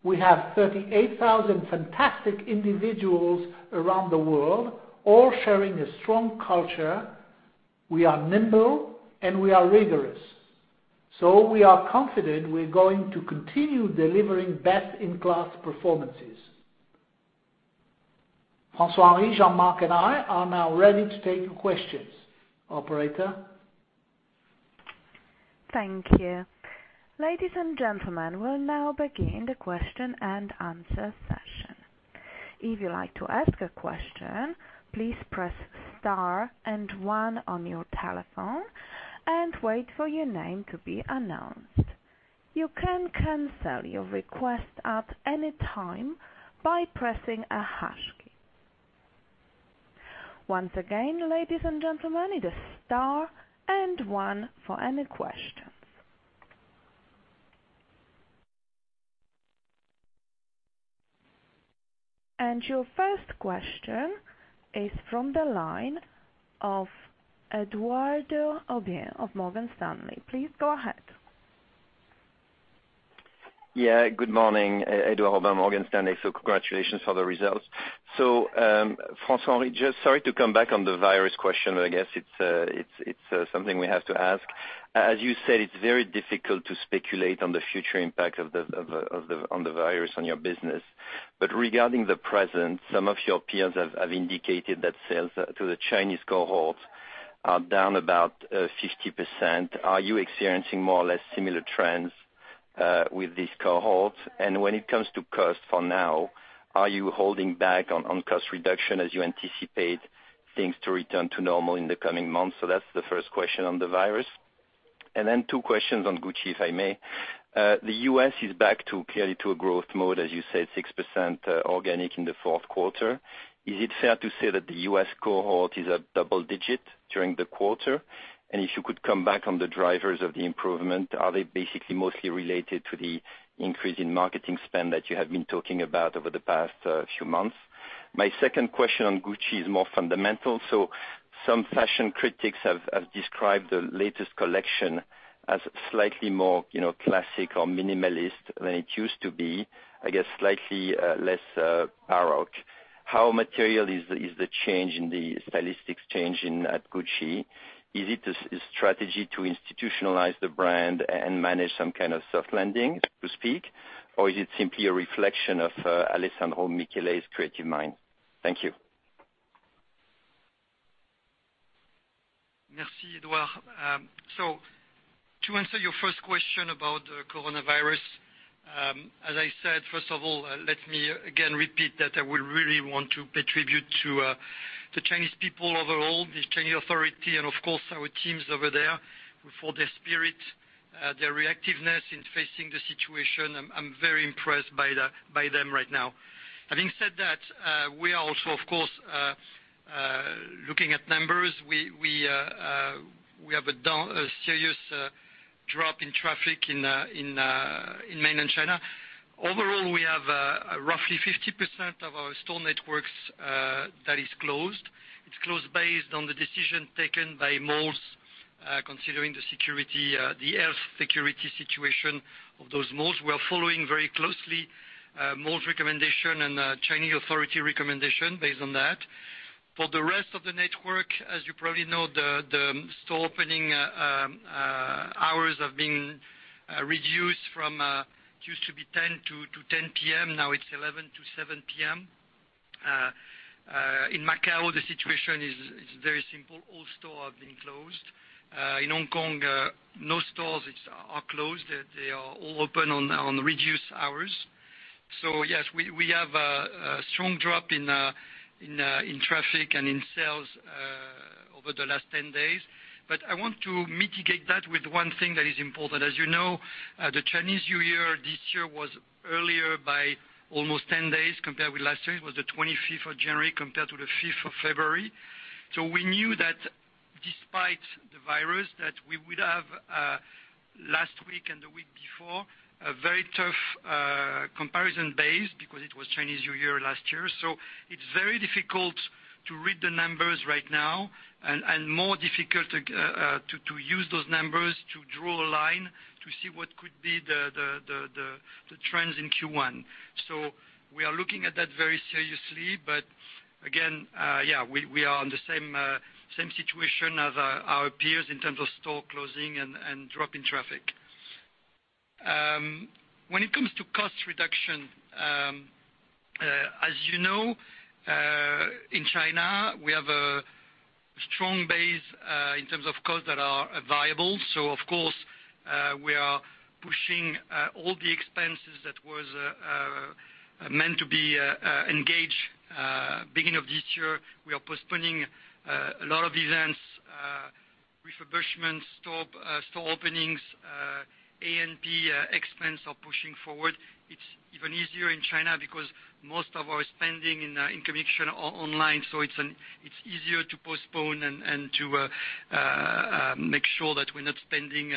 We have 38,000 fantastic individuals around the world, all sharing a strong culture. We are nimble, and we are rigorous. We are confident we're going to continue delivering best-in-class performances. François-Henri, Jean-Marc, and I are now ready to take questions. Operator? Thank you. Ladies and gentlemen, we'll now begin the question-and-answer session. If you'd like to ask a question, please press star and one on your telephone and wait for your name to be announced. You can cancel your request at any time by pressing a hash key. Once again, ladies and gentlemen, it is star and one for any questions. And your first question is from the line of Edouard Aubin of Morgan Stanley. Please go ahead. Good morning. Edouard Aubin with Morgan Stanley. Congratulations for the results. François-Henri, Just sorry to come back on the virus question. I guess it's something we have to ask. As you said, it's very difficult to speculate on the future impact of the virus on your business. Regarding the present, some of your peers have indicated that sales to the Chinese cohorts are down about 50%. Are you experiencing more or less similar trends with these cohorts? When it comes to cost for now, are you holding back on cost reduction as you anticipate things to return to normal in the coming months? That's the first question on the virus. Then two questions on Gucci, if I may. The U.S. is back clearly to a growth mode, as you said, 6% organic in the fourth quarter. Is it fair to say that the U.S. cohort is at double-digit during the quarter? If you could come back on the drivers of the improvement, are they basically mostly related to the increase in marketing spend that you have been talking about over the past few months? My second question on Gucci is more fundamental. Some fashion critics have described the latest collection as slightly more, you know, classic or minimalist than it used to be, I guess slightly less Baroque. How material is the change in the stylistic change at Gucci? Is it a strategy to institutionalize the brand and manage some kind of soft landing, so to speak? Is it simply a reflection of Alessandro Michele's creative mind? Thank you. Merci, Edouard. To answer your first question about the coronavirus, as I said, first of all, let me again repeat that I would really want to pay tribute to the Chinese people overall, the Chinese authority, and of course, our teams over there for their spirit, their reactiveness in facing the situation. I'm very impressed by them right now. Having said that, we are also, of course, looking at numbers. We have a down, a serious drop in traffic in mainland China. Overall, we have roughly 50% of our store networks that is closed. It's closed based on the decision taken by malls, considering the security, the health security situation of those malls. We are following very closely malls' recommendation and Chinese authority recommendation based on that. For the rest of the network, as you probably know, the store opening hours have been reduced from it used to be 10:00 A.M. to 10:00 P.M., now it's 11:00 A.M. to 7:00 P.M. In Macau, the situation is very simple. All stores have been closed. In Hong Kong, no stores is, are closed. They are all open on reduced hours. Yes, we have a strong drop in traffic and in sales over the last 10 days. I want to mitigate that with one thing that is important. As you know, the Chinese New Year this year was earlier by almost 10 days compared with last year. It was the 25th of January compared to the 5th of February. We knew that despite the virus, that we would have last week and the week before, a very tough comparison base because it was Chinese New Year last year. It's very difficult to read the numbers right now and more difficult to use those numbers to draw a line to see what could be the trends in Q1. We are looking at that very seriously. Again, we are on the same situation as our peers in terms of store closing and drop in traffic. When it comes to cost reduction, as you know, in China, we have a strong base in terms of costs that are available. Of course, we are pushing all the expenses that was meant to be engaged beginning of this year. We are postponing a lot of events, refurbishment, store openings, A&P expense are pushing forward. It's even easier in China because most of our spending in communication online, so it's easier to postpone and to make sure that we're not spending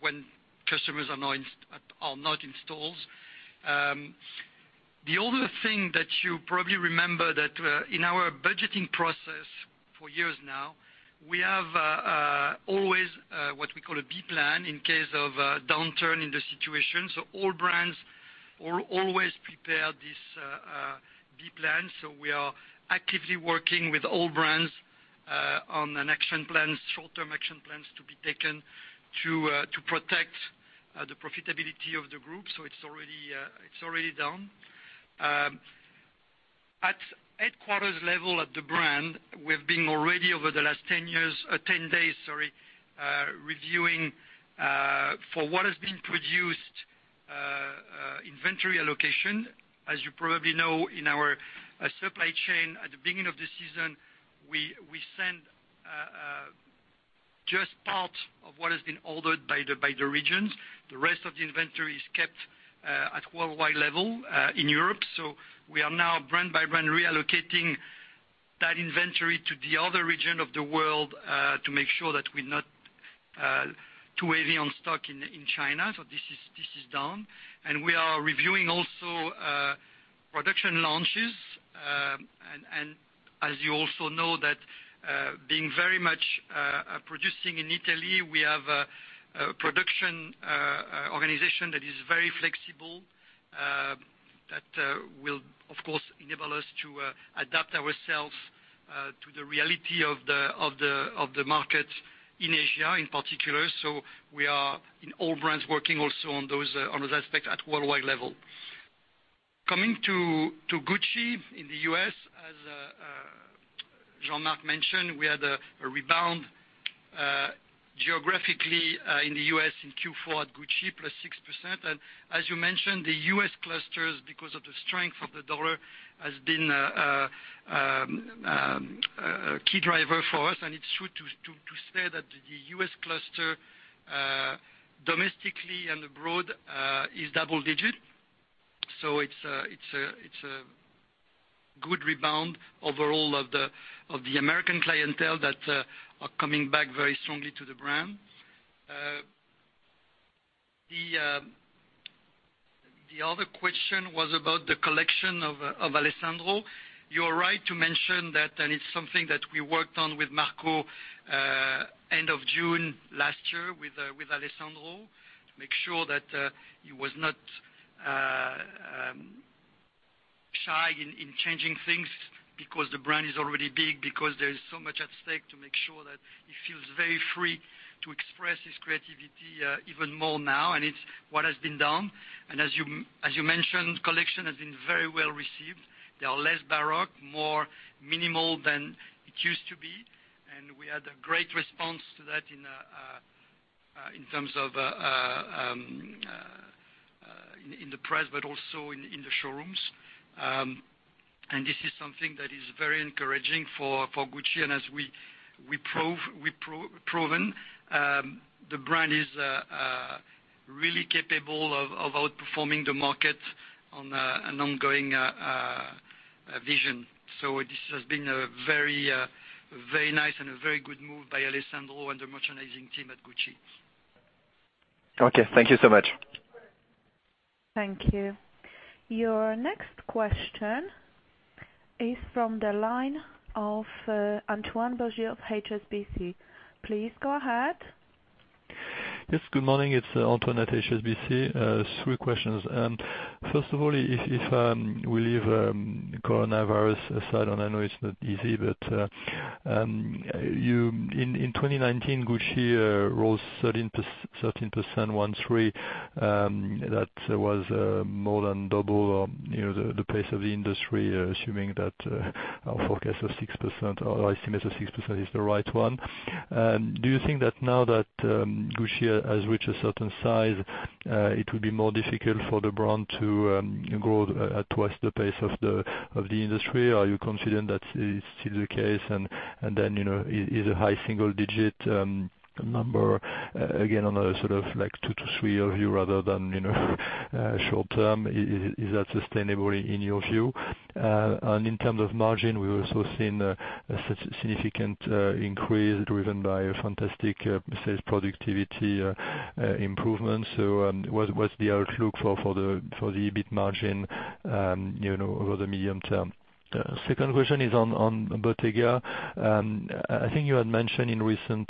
when customers are not in stores. The only thing that you probably remember that in our budgeting process for years now, we have always what we call a B plan in case of a downturn in the situation. All brands always prepare this B plan. We are actively working with all brands on an action plan, short-term action plans to be taken to protect the profitability of the group. It's already done. At headquarters level of the brand, we've been already, over the last 10 years, 10 days, sorry, reviewing for what has been produced, inventory allocation. As you probably know, in our supply chain at the beginning of the season, we send just part of what has been ordered by the regions. The rest of the inventory is kept at worldwide level in Europe. We are now brand by brand reallocating that inventory to the other region of the world to make sure that we're not too heavy on stock in China. This is done. We are reviewing also production launches. As you also know that, being very much producing in Italy, we have a production organization that is very flexible, that will of course enable us to adapt ourselves to the reality of the market in Asia in particular. We are in all brands working also on those aspects at worldwide level. Coming to Gucci in the U.S., as Jean-Marc mentioned, we had a rebound geographically in the U.S. in Q4 at Gucci, plus 6%. As you mentioned, the U.S. clusters, because of the strength of the dollar, has been a key driver for us. It's true to say that the U.S. cluster, domestically and abroad, is double digit. It's a good rebound overall of the American clientele that are coming back very strongly to the brand. The other question was about the collection of Alessandro. You are right to mention that, and it's something that we worked on with Marco end of June last year with Alessandro, to make sure that he was not shy in changing things because the brand is already big, because there is so much at stake to make sure that he feels very free to express his creativity even more now. It's what has been done. As you mentioned, collection has been very well received. They are less baroque, more minimal than it used to be, and we had a great response to that in terms of in the press, but also in the showrooms. This is something that is very encouraging for Gucci. As we've proven, the brand is really capable of outperforming the market on an ongoing vision. This has been a very nice and a very good move by Alessandro and the merchandising team at Gucci. Okay, thank you so much. Thank you. Your next question is from the line of Antoine Belge of HSBC. Please go ahead. Yes, good morning. It's Antoine at HSBC. Three questions. First of all, if we leave coronavirus aside, I know it's not easy, but in 2019, Gucci rose 13%, 13. That was more than double, you know, the pace of the industry, assuming that our forecast of 6% or our estimate of 6% is the right one. Do you think that now that Gucci has reached a certain size, it will be more difficult for the brand to grow at twice the pace of the industry? Are you confident that it's still the case? Then, you know, is a high single-digit number, again, on a sort of like two-three-year view rather than, you know, short-term, is that sustainable in your view? In terms of margin, we've also seen a significant increase driven by a fantastic sales productivity improvement. What's the outlook for the EBIT margin, you know, over the medium term? Second question is on Bottega. I think you had mentioned in recent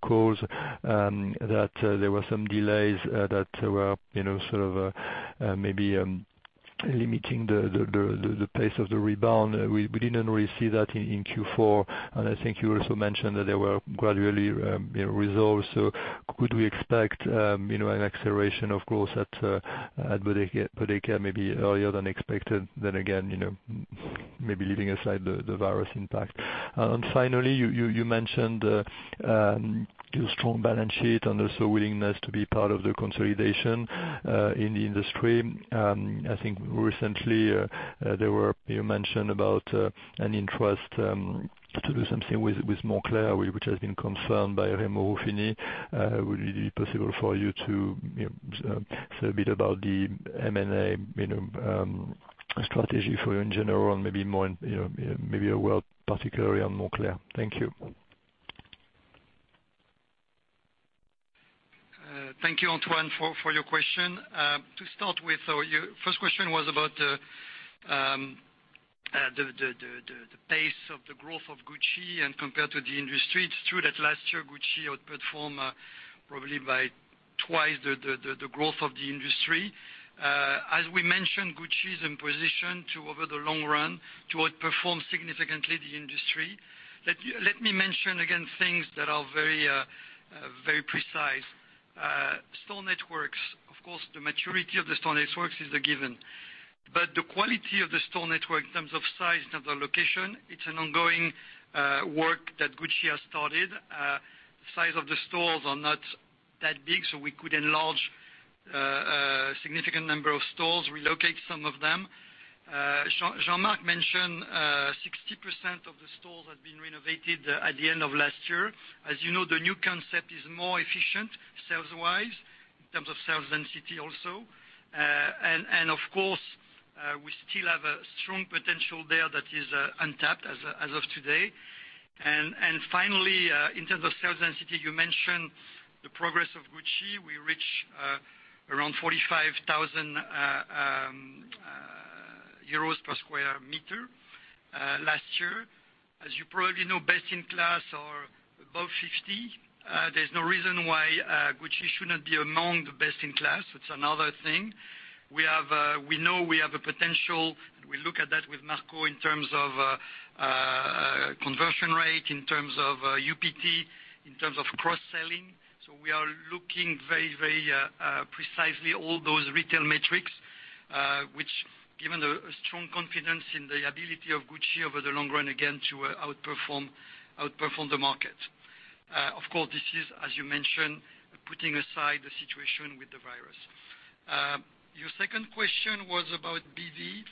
calls that there were some delays that were, you know, sort of, maybe, limiting the pace of the rebound. We didn't really see that in Q4. I think you also mentioned that they were gradually, you know, resolved. Could we expect, you know, an acceleration of growth at Bottega maybe earlier than expected? Again, you know, maybe leaving aside the virus impact. Finally, you, you mentioned your strong balance sheet and also willingness to be part of the consolidation in the industry. I think recently, there were, you mentioned about an interest to do something with Moncler, which has been confirmed by Remo Ruffini. Would it be possible for you to, you know, say a bit about the M&A, strategy for you in general and maybe more in, you know, maybe a word particularly on Moncler? Thank you. Thank you, Antoine, for your question. To start with, your first question was about the pace of the growth of Gucci and compared to the industry. It's true that last year Gucci outperformed probably by twice the growth of the industry. As we mentioned, Gucci is in position to, over the long run, to outperform significantly the industry. Let me mention again things that are very precise. Store networks, of course, the maturity of the store networks is a given. The quality of the store network in terms of size and of the location, it's an ongoing work that Gucci has started. Size of the stores are not that big, we could enlarge a significant number of stores, relocate some of them. Jean-Marc mentioned 60% of the stores had been renovated at the end of last year. As you know, the new concept is more efficient sales-wise, in terms of sales density also. Of course, we still have a strong potential there that is untapped as of today. Finally, in terms of sales density, you mentioned the progress of Gucci. We reached around 45,000 euros per square meter last year. As you probably know, best in class are above 50. There's no reason why Gucci should not be among the best in class. It's another thing. We know we have a potential. We look at that with Marco in terms of conversion rate, in terms of UPT, in terms of cross-selling. We are looking very, very precisely all those retail metrics, which given the strong confidence in the ability of Gucci over the long run, again, to outperform the market. Of course, this is, as you mentioned, putting aside the situation with the virus. Your second question was about BV.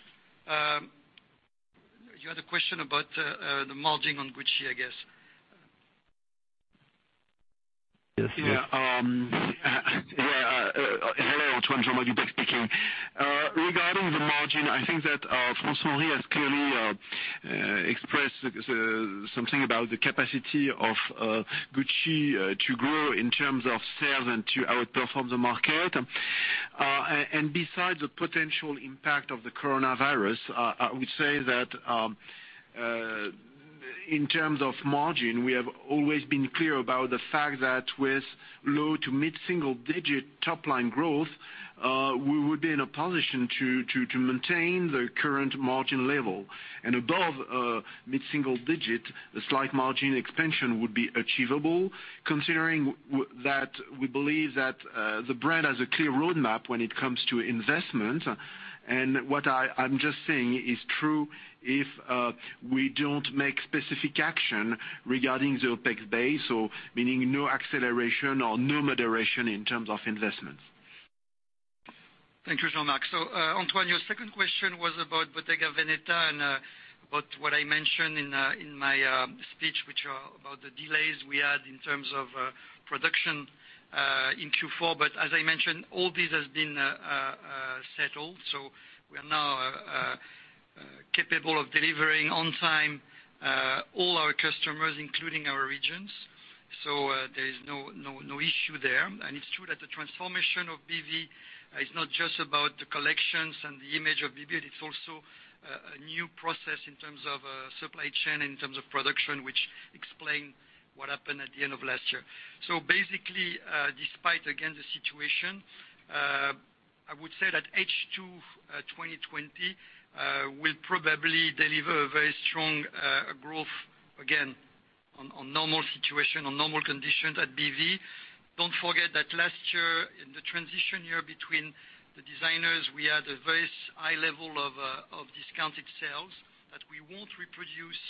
You had a question about the margin on Gucci, I guess. Yes. Hello, Antoine. Jean-Marc Duplaix speaking. Regarding the margin, I think that François-Henri has clearly expressed something about the capacity of Gucci to grow in terms of sales and to outperform the market. Besides the potential impact of the coronavirus, I would say that in terms of margin, we have always been clear about the fact that with low to mid-single digit top-line growth, we would be in a position to maintain the current margin level. Above mid-single digit, a slight margin expansion would be achievable considering that we believe that the brand has a clear roadmap when it comes to investment. What I'm just saying is true if we don't make specific action regarding the OpEx base, so meaning no acceleration or no moderation in terms of investments. Thank you, Jean-Marc. Antoine, your second question was about Bottega Veneta and about what I mentioned in my speech, which are about the delays we had in terms of production in Q4. As I mentioned, all this has been settled. We are now capable of delivering on time all our customers, including our regions. There is no issue there. It's true that the transformation of BV is not just about the collections and the image of BV, but it's also a new process in terms of supply chain, in terms of production, which explain what happened at the end of last year. Basically, despite, again, the situation, I would say that H2 2020 will probably deliver a very strong growth, again, on normal situation, on normal conditions at BV. Don't forget that last year, in the transition year between the designers, we had a very high level of discounted sales that we won't reproduce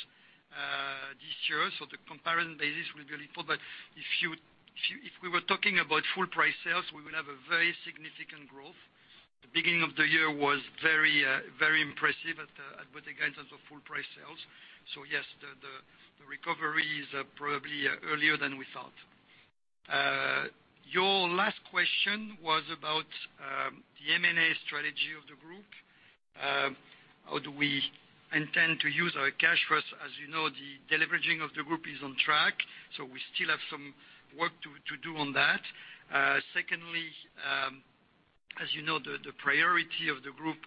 this year. The comparison basis will be a little. If we were talking about full-price sales, we will have a very significant growth. The beginning of the year was very impressive at Bottega Veneta in terms of full-price sales. Yes, the recovery is probably earlier than we thought. Your last question was about the M&A strategy of the group. How do we intend to use our cash flows? As you know, the deleveraging of the group is on track, we still have some work to do on that. Secondly, as you know, the priority of the group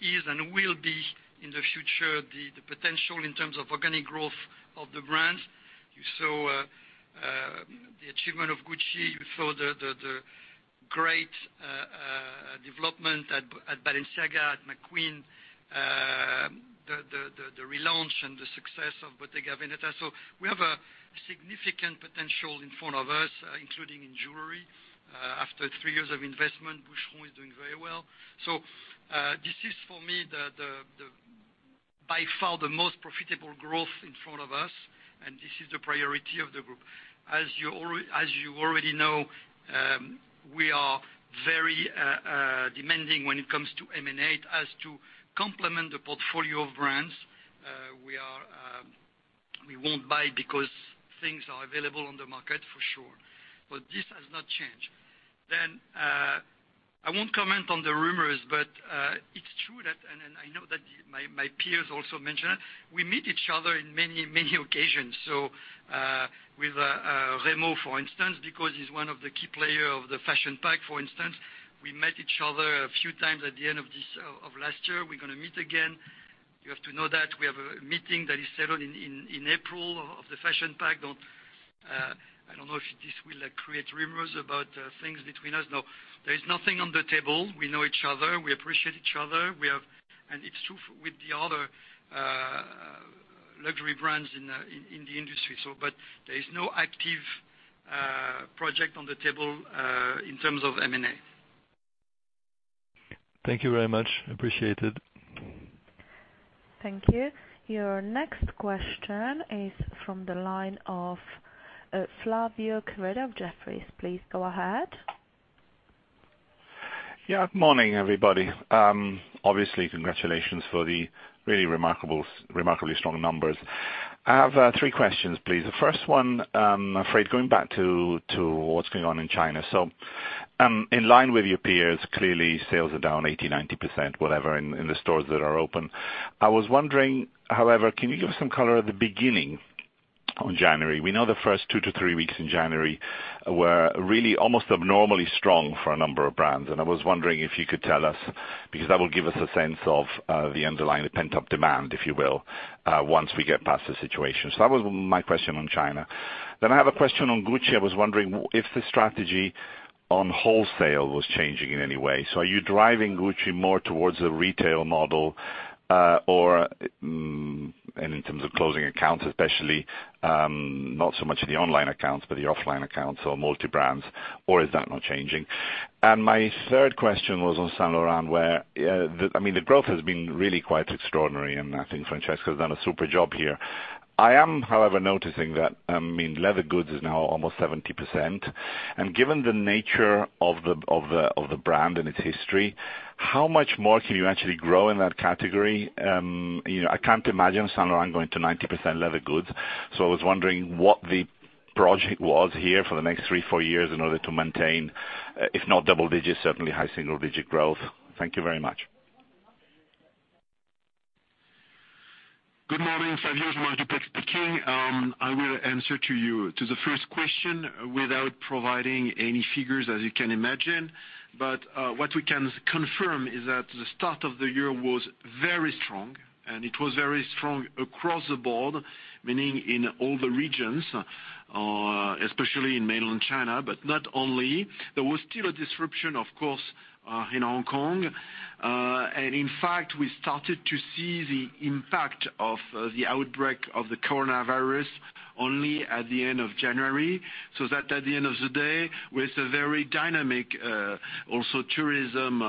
is and will be in the future the potential in terms of organic growth of the brands. You saw the achievement of Gucci. You saw the great development at Balenciaga, at McQueen. The relaunch and the success of Bottega Veneta. We have a significant potential in front of us, including in jewelry. After three years of investment, Boucheron is doing very well. This is for me the by far the most profitable growth in front of us, and this is the priority of the group. As you already know, we are very demanding when it comes to M&A. As to complement the portfolio of brands, we won't buy because things are available on the market for sure. This has not changed. I won't comment on the rumors, but it's true that my peers also mention it. We meet each other in many occasions. With Remo, for instance, because he's one of the key player of the Fashion Pact, for instance. We met each other a few times at the end of last year. We're gonna meet again. You have to know that we have a meeting that is scheduled in April of the Fashion Pact. Don't, I don't know if this will, like, create rumors about things between us. No, there is nothing on the table. We know each other. We appreciate each other. It's true with the other luxury brands in the industry, so. There is no active project on the table in terms of M&A. Thank you very much. Appreciated. Thank you. Your next question is from the line of Flavio Cereda of Jefferies. Please go ahead. Morning, everybody. Congratulations for the remarkably strong numbers. I have three questions, please. The first one, I'm afraid, going back to what's going on in China. In line with your peers, clearly sales are down 80%, 90%, whatever, in the stores that are open. I was wondering, however, can you give us some color at the beginning of January? We know the first two to three weeks in January were really almost abnormally strong for a number of brands, and I was wondering if you could tell us, because that will give us a sense of the underlying, the pent-up demand, if you will, once we get past the situation. That was my question on China. I have a question on Gucci. I was wondering if the strategy on wholesale was changing in any way. Are you driving Gucci more towards a retail model, or in terms of closing accounts, especially, not so much the online accounts, but the offline accounts or multi-brands, or is that not changing? My third question was on Saint Laurent, where, the, I mean, the growth has been really quite extraordinary, and I think Francesca Bellettini has done a super job here. I am, however, noticing that, I mean, leather goods is now almost 70%, and given the nature of the brand and its history, how much more can you actually grow in that category? you know, I can't imagine Saint Laurent going to 90% leather goods, I was wondering what the project was here for the next three, four years in order to maintain, if not double digits, certainly high single-digit growth. Thank you very much. Good morning, Flavio. It's Jean-Marc Duplaix speaking. I will answer to you to the first question without providing any figures, as you can imagine. What we can confirm is that the start of the year was very strong, and it was very strong across the board, meaning in all the regions, especially in mainland China, but not only. There was still a disruption, of course, in Hong Kong. In fact, we started to see the impact of the outbreak of the coronavirus only at the end of January. At the end of the day, with a very dynamic also tourism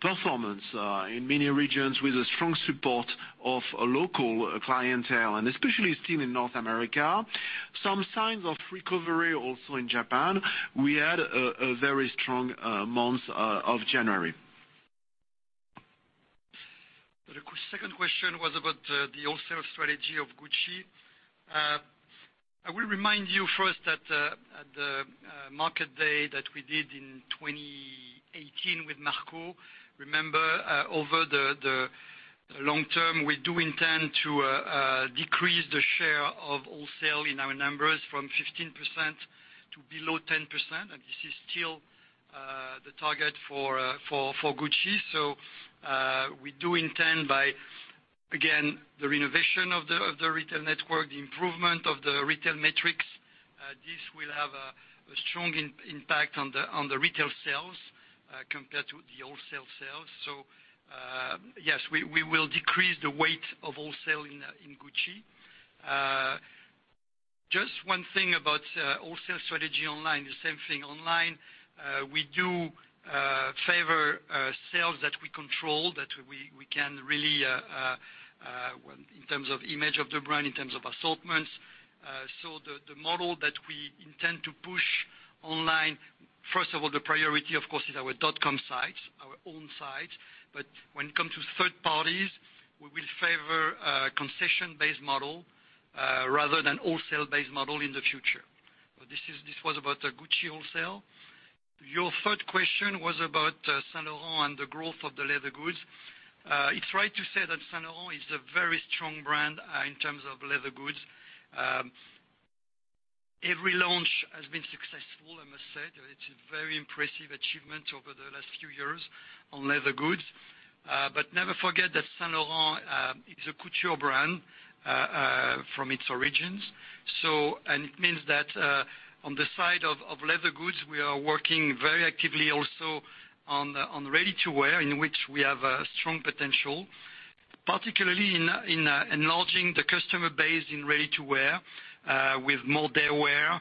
performance in many regions, with the strong support of a local clientele, and especially still in North America, some signs of recovery also in Japan, we had a very strong month of January. Second question was about the wholesale strategy of Gucci. I will remind you first that at the market day that we did in 2018 with Marco, remember, over the long term, we do intend to decrease the share of wholesale in our numbers from 15% to below 10%, and this is still the target for Gucci. We do intend by, again, the renovation of the retail network, the improvement of the retail metrics, this will have a strong impact on the retail sales compared to the wholesale sales. Yes, we will decrease the weight of wholesale in Gucci. Just one thing about wholesale strategy online. The same thing online, we do favor sales that we control, that we can really in terms of image of the brand, in terms of assortments. The model that we intend to push online, first of all, the priority, of course, is our dot-com sites, our own sites. When it comes to third parties, we will favor a concession-based model rather than wholesale-based model in the future. This was about the Gucci wholesale. Your third question was about Saint Laurent and the growth of the leather goods. It's right to say that Saint Laurent is a very strong brand in terms of leather goods. Every launch has been successful, I must say. It's a very impressive achievement over the last few years on leather goods. Never forget that Saint Laurent is a couture brand from its origins. It means that on the side of leather goods, we are working very actively also on ready-to-wear, in which we have a strong potential, particularly in enlarging the customer base in ready-to-wear, with more day wear,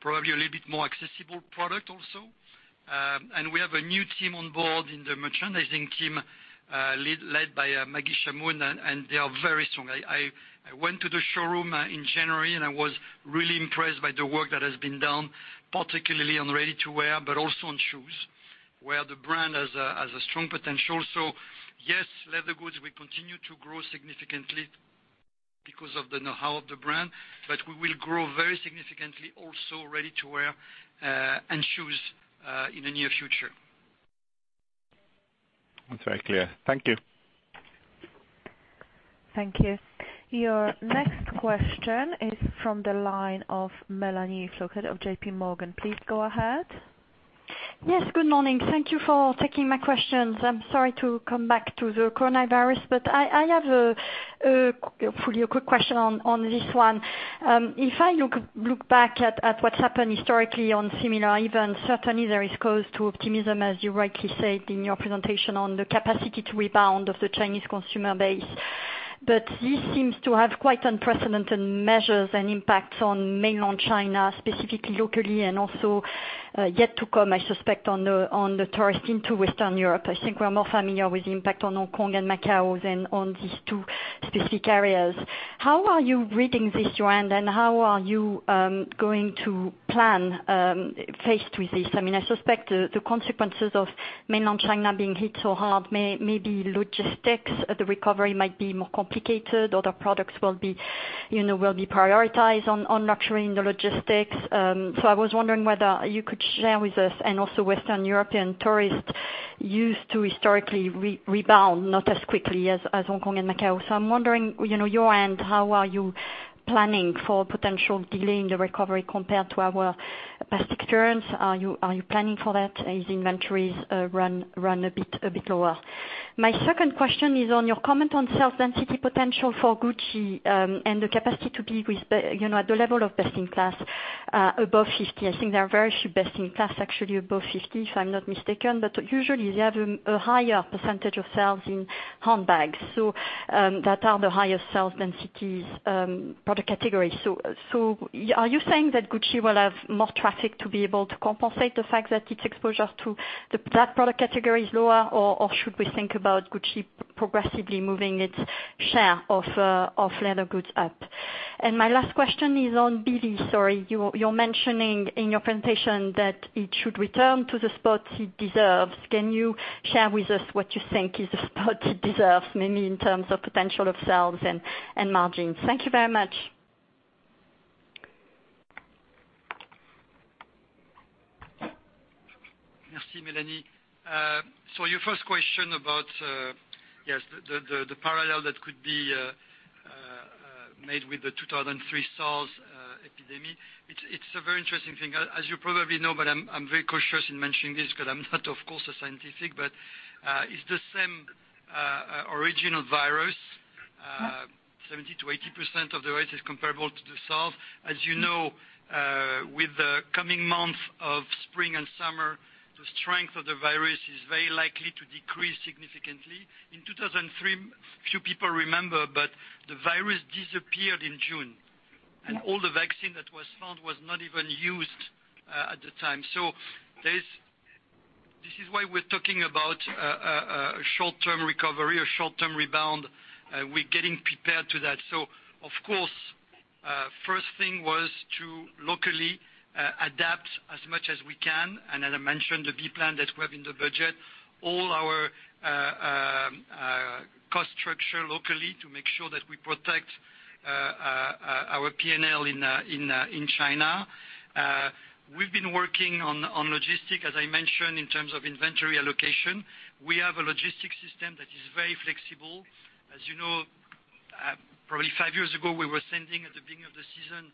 probably a little bit more accessible product also. We have a new team on board in the merchandising team, led by Maggy Chamoun, and they are very strong. I went to the showroom in January, and I was really impressed by the work that has been done, particularly on ready-to-wear, but also on shoes, where the brand has a strong potential. Yes, leather goods will continue to grow significantly because of the know-how of the brand, we will grow very significantly also ready-to-wear, and shoes in the near future. That's very clear. Thank you. Thank you. Your next question is from the line of Mélanie Flouquet of JPMorgan. Please go ahead. Yes, good morning. Thank you for taking my questions. I'm sorry to come back to the coronavirus, I have hopefully a quick question on this one. If I look back at what's happened historically on similar events, certainly there is cause to optimism, as you rightly said in your presentation on the capacity to rebound of the Chinese consumer base. This seems to have quite unprecedented measures and impacts on mainland China, specifically locally and also yet to come, I suspect, on the tourist into Western Europe. I think we're more familiar with the impact on Hong Kong and Macau than on these two specific areas. How are you reading this trend, and how are you going to plan faced with this? I mean, I suspect the consequences of mainland China being hit so hard maybe logistics, the recovery might be more complicated. Other products will be, you know, prioritized on nurturing the logistics. I was wondering whether you could share with us and also Western European tourists used to historically rebound not as quickly as Hong Kong and Macau. I'm wondering, you know, your end, how are you planning for potential delay in the recovery compared to our past experience. Are you planning for that? Is inventories run a bit lower? My second question is on your comment on sales density potential for Gucci and the capacity to be with, you know, at the level of best-in-class above 50. I think there are very few best-in-class actually above 50, if I'm not mistaken. Usually, they have a higher percentage of sales in handbags, so that are the highest sales densities, product categories. Are you saying that Gucci will have more traffic to be able to compensate the fact that its exposure to that product category is lower, or should we think about Gucci progressively moving its share of leather goods up? My last question is on BV. Sorry, you're mentioning in your presentation that it should return to the spot it deserves. Can you share with us what you think is the spot it deserves, maybe in terms of potential of sales and margins? Thank you very much. Merci, Mélanie. Your first question about, yes, the parallel that could be made with the 2003 SARS epidemic. It's a very interesting thing. As you probably know, but I'm very cautious in mentioning this 'cause I'm not, of course, a scientific, but it's the same original virus. 70%-80% of the virus is comparable to the SARS. As you know, with the coming month of spring and summer, the strength of the virus is very likely to decrease significantly. In 2003, few people remember, but the virus disappeared in June, and all the vaccine that was found was not even used at the time. This is why we're talking about short-term recovery or short-term rebound. We're getting prepared to that. Of course, first thing was to locally adapt as much as we can, and as I mentioned, the B plan that we have in the budget, all our cost structure locally to make sure that we protect our P&L in China. We've been working on logistic, as I mentioned, in terms of inventory allocation. We have a logistics system that is very flexible. As you know, probably five years ago, we were sending at the beginning of the season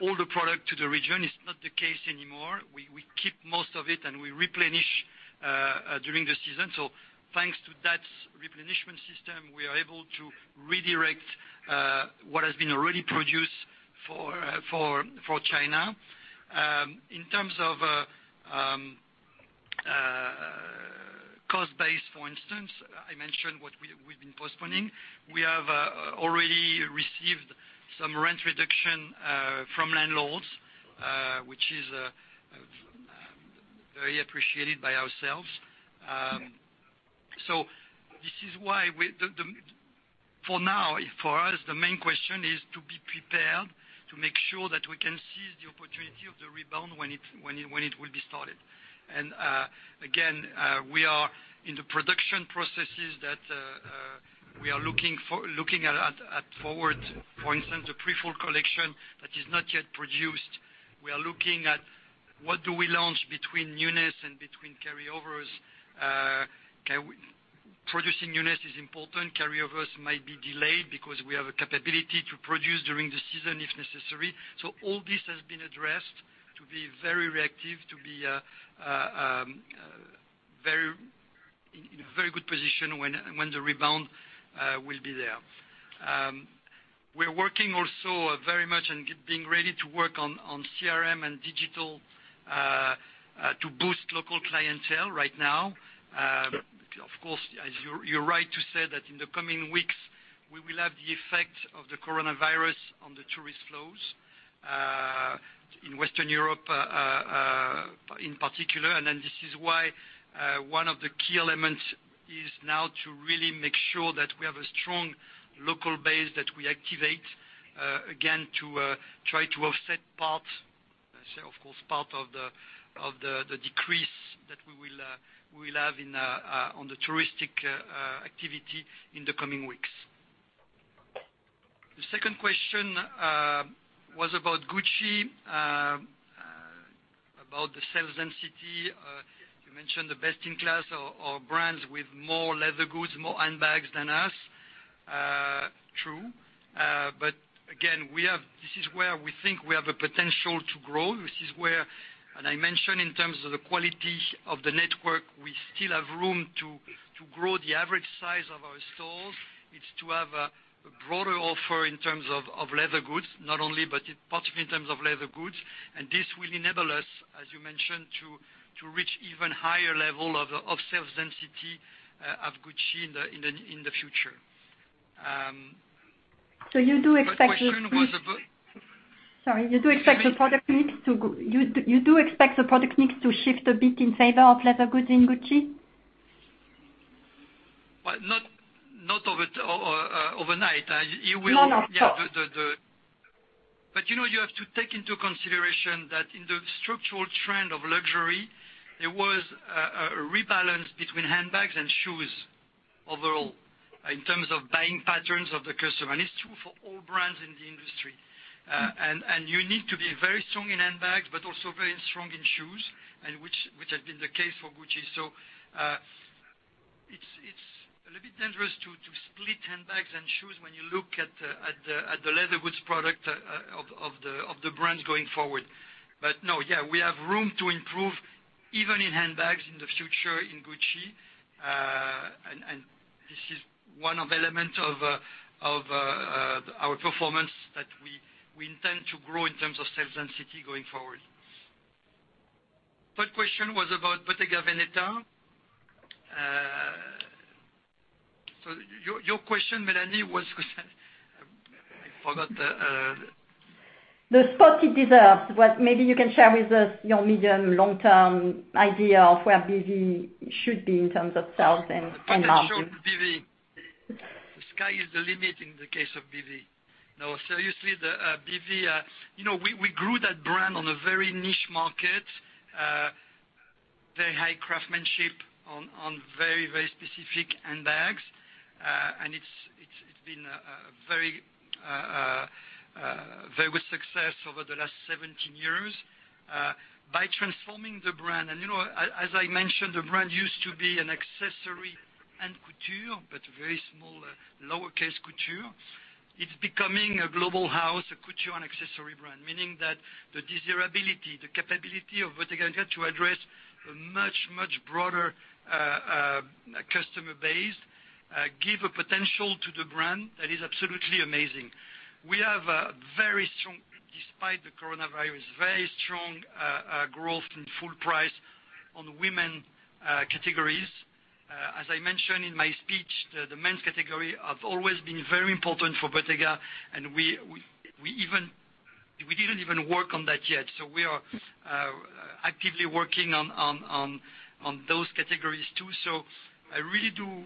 all the product to the region. It's not the case anymore. We keep most of it, and we replenish during the season. Thanks to that replenishment system, we are able to redirect what has been already produced for China. In terms of cost base, for instance, I mentioned what we've been postponing. We have already received some rent reduction from landlords, which is very appreciated by ourselves. So this is why for now, for us, the main question is to be prepared, to make sure that we can seize the opportunity of the rebound when it will be started. Again, we are in the production processes that we are looking for, looking at forward. For instance, the pre-fall collection that is not yet produced, we are looking at what do we launch between newness and between carryovers. Producing newness is important. Carryovers might be delayed because we have a capability to produce during the season, if necessary. All this has been addressed to be very reactive, to be in a very good position when the rebound will be there. We're working also very much and being ready to work on CRM and digital to boost local clientele right now. Of course, as you're right to say that in the coming weeks, we will have the effect of the coronavirus on the tourist flows in Western Europe in particular. This is why one of the key elements is now to really make sure that we have a strong local base that we activate again, to try to offset part of the decrease that we will have on the touristic activity in the coming weeks. The second question was about Gucci, about the sales density. You mentioned the best-in-class or brands with more leather goods, more handbags than us. True. But again, this is where we think we have a potential to grow. This is where, and I mentioned in terms of the quality of the network, we still have room to grow the average size of our stores. It's to have a broader offer in terms of leather goods, not only, but particularly in terms of leather goods. This will enable us, as you mentioned, to reach even higher level of sales density of Gucci in the future. You do expect. My question was. Sorry, you do expect the product mix to. Excuse me. You do expect the product mix to shift a bit in favor of leather goods in Gucci? Well, not overnight. You will. No, no, of course. You know, you have to take into consideration that in the structural trend of luxury, there was a rebalance between handbags and shoes overall, in terms of buying patterns of the customer. It's true for all brands in the industry. You need to be very strong in handbags, but also very strong in shoes, and which has been the case for Gucci. It's a little bit dangerous to split handbags and shoes when you look at the leather goods product of the brands going forward. No, yeah, we have room to improve even in handbags in the future in Gucci. This is one of element of our performance that we intend to grow in terms of sales density going forward. Third question was about Bottega Veneta. Your question, Mélanie, was. The spot it deserves. Maybe you can share with us your medium and long-term idea of where BV should be in terms of sales and margin. Potential of BV. The sky is the limit in the case of BV. No, seriously, the BV, you know, we grew that brand on a very niche market, very high craftsmanship on very specific handbags. And it's been a very good success over the last 17 years by transforming the brand. And, you know, as I mentioned, the brand used to be an accessory and couture, but very small, lowercase couture. It's becoming a global house, a couture and accessory brand, meaning that the desirability, the capability of Bottega to address a much broader customer base give a potential to the brand that is absolutely amazing. We have a very strong, despite the coronavirus, very strong growth in full price on the women categories. As I mentioned in my speech, the men's category have always been very important for Bottega, and we didn't even work on that yet. We are actively working on those categories too. I really do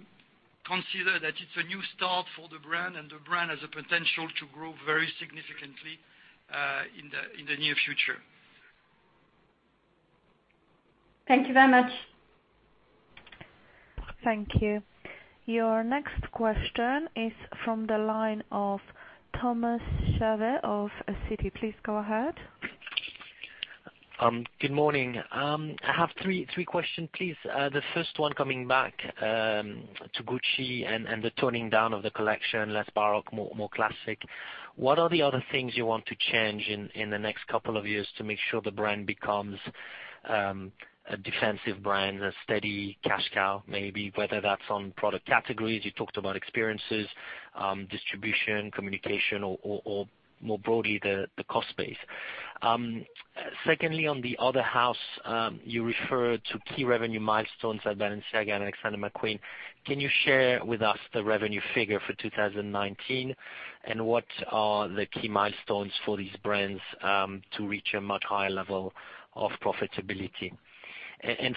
consider that it's a new start for the brand, and the brand has a potential to grow very significantly in the near future. Thank you very much. Thank you. Your next question is from the line of Thomas Chauvet of Citi. Please go ahead. Good morning. I have three questions, please. The first one coming back to Gucci and the toning down of the collection, less baroque, more classic. What are the other things you want to change in the next couple of years to make sure the brand becomes a defensive brand, a steady cash cow, maybe, whether that's on product categories, you talked about experiences, distribution, communication or more broadly, the cost base. Secondly, on the other house, you referred to key revenue milestones at Balenciaga and Alexander McQueen. Can you share with us the revenue figure for 2019? What are the key milestones for these brands to reach a much higher level of profitability?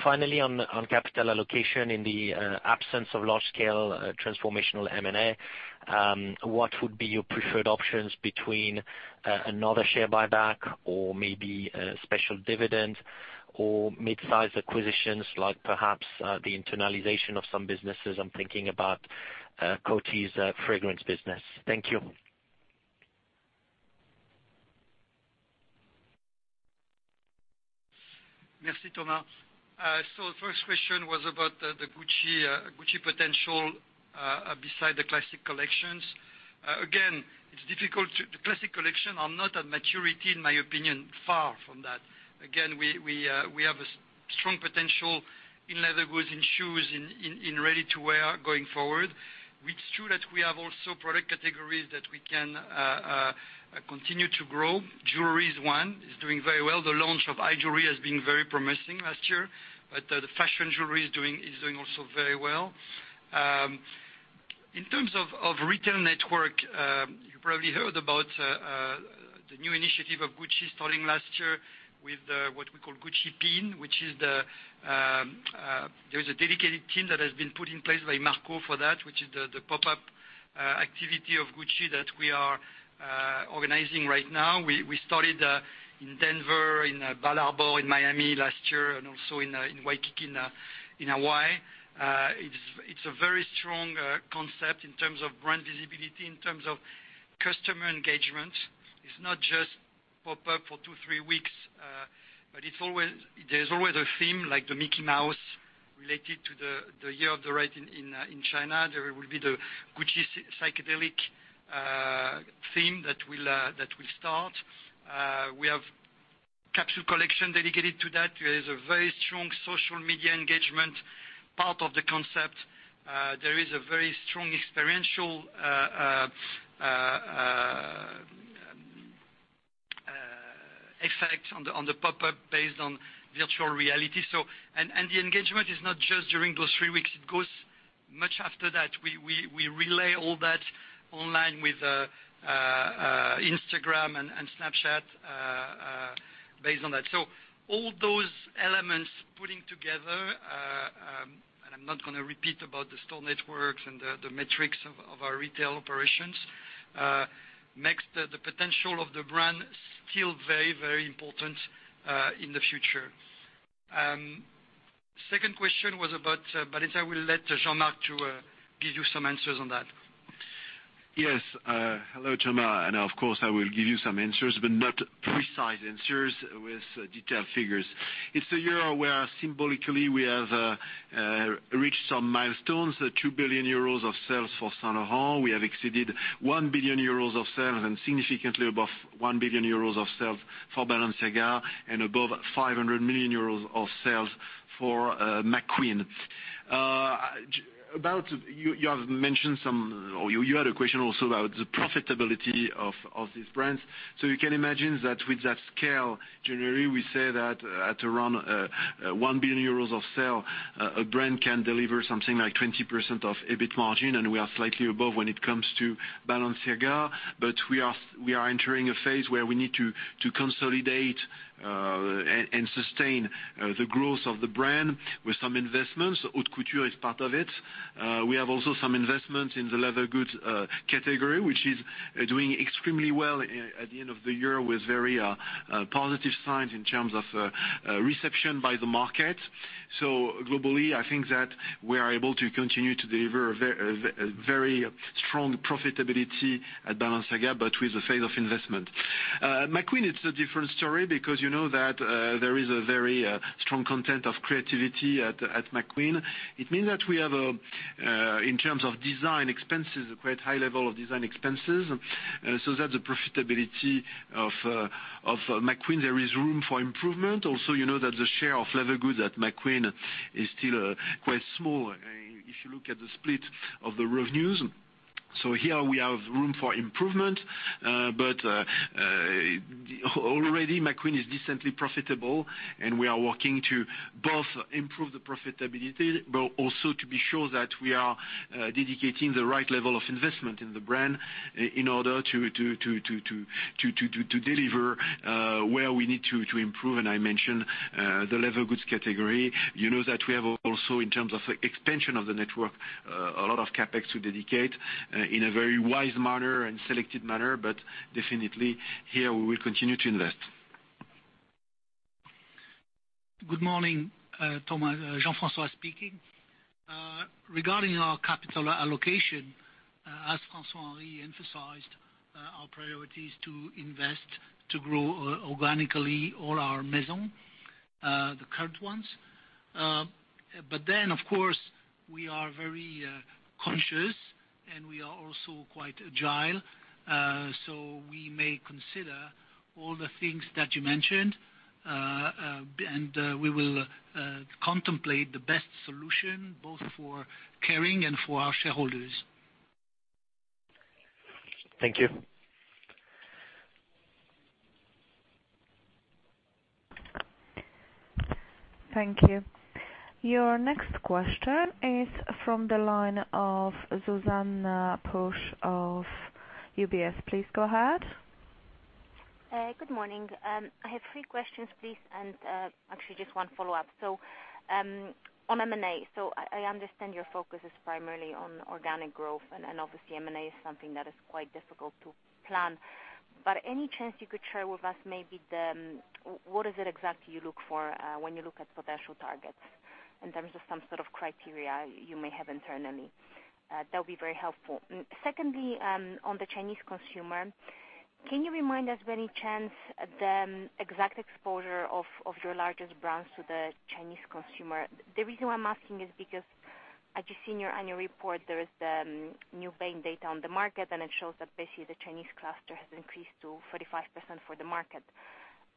Finally, on capital allocation in the absence of large scale transformational M&A, what would be your preferred options between another share buyback or maybe a special dividend or midsize acquisitions like perhaps the internalization of some businesses? I'm thinking about Coty's fragrance business. Thank you. Merci, Thomas. First question was about the Gucci potential beside the classic collections. Again, it's difficult, the classic collection are not at maturity, in my opinion, far from that. Again, we have a strong potential in leather goods, in shoes, in ready-to-wear going forward. It's true that we have also product categories that we can continue to grow. Jewelry is one. It's doing very well. The launch of high jewelry has been very promising last year, but the fashion jewelry is doing also very well. In terms of retail network, you probably heard about the new initiative of Gucci starting last year with what we call Gucci Pin, which is the. There is a dedicated team that has been put in place by Marco for that, which is the pop-up activity of Gucci that we are organizing right now. We started in Denver, in Bal Harbour in Miami last year and also in Waikiki in Hawaii. It's a very strong concept in terms of brand visibility, in terms of customer engagement. It's not just pop-up for two, three weeks, but there's always a theme like the Mickey Mouse related to the Year of the Rat in China. There will be the Gucci Psychedelic theme that will start. We have capsule collection dedicated to that. There is a very strong social media engagement part of the concept. There is a very strong experiential effect on the pop-up based on virtual reality. The engagement is not just during those three weeks, it goes much after that. We relay all that online with Instagram and Snapchat based on that. All those elements putting together, and I'm not gonna repeat about the store networks and the metrics of our retail operations, makes the potential of the brand still very, very important in the future. Second question was about Balenciaga. I will let Jean-Marc to give you some answers on that. Yes. Hello, Thomas. Of course, I will give you some answers, but not precise answers with detailed figures. It's a year where symbolically we have reached some milestones, 2 billion euros of sales for Saint Laurent. We have exceeded 1 billion euros of sales and significantly above 1 billion euros of sales for Balenciaga, and above 500 million euros of sales for McQueen. You have mentioned some, or you had a question also about the profitability of these brands. You can imagine that with that scale, generally, we say that at around 1 billion euros of sale, a brand can deliver something like 20% of EBIT margin, and we are slightly above when it comes to Balenciaga. We are entering a phase where we need to consolidate and sustain the growth of the brand with some investments. Haute couture is part of it. We have also some investment in the leather goods category, which is doing extremely well at the end of the year with very positive signs in terms of reception by the market. Globally, I think that we are able to continue to deliver a very strong profitability at Balenciaga, but with a phase of investment. McQueen, it's a different story because you know that there is a very strong content of creativity at McQueen. It means that we have in terms of design expenses, a quite high level of design expenses. The profitability of McQueen, there is room for improvement. Also, you know that the share of leather goods at McQueen is still quite small if you look at the split of the revenues. Here we have room for improvement. Already McQueen is decently profitable, and we are working to both improve the profitability, but also to be sure that we are dedicating the right level of investment in the brand in order to deliver where we need to improve. I mentioned the leather goods category. You know that we have also, in terms of expansion of the network, a lot of CapEx to dedicate in a very wise manner and selected manner. Definitely here we will continue to invest. Good morning, Thomas. Jean-François Palus speaking. Regarding our capital allocation, as François-Henri emphasized, our priority is to invest, to grow organically all our maison, the current ones. Of course, we are very conscious, and we are also quite agile. We may consider all the things that you mentioned, and we will contemplate the best solution both for Kering and for our shareholders. Thank you. Thank you. Your next question is from the line of Zuzanna Pusz of UBS. Please go ahead. Good morning. I have three questions, please, and actually just one follow-up. On M&A. I understand your focus is primarily on organic growth, and obviously M&A is something that is quite difficult to plan. Any chance you could share with us maybe what is it exactly you look for when you look at potential targets in terms of some sort of criteria you may have internally? That would be very helpful. Secondly, on the Chinese consumer, can you remind us by any chance the exact exposure of your largest brands to the Chinese consumer? The reason why I'm asking is because I just seen your annual report. There is the new Bain data on the market, and it shows that basically the Chinese cluster has increased to 45% for the market.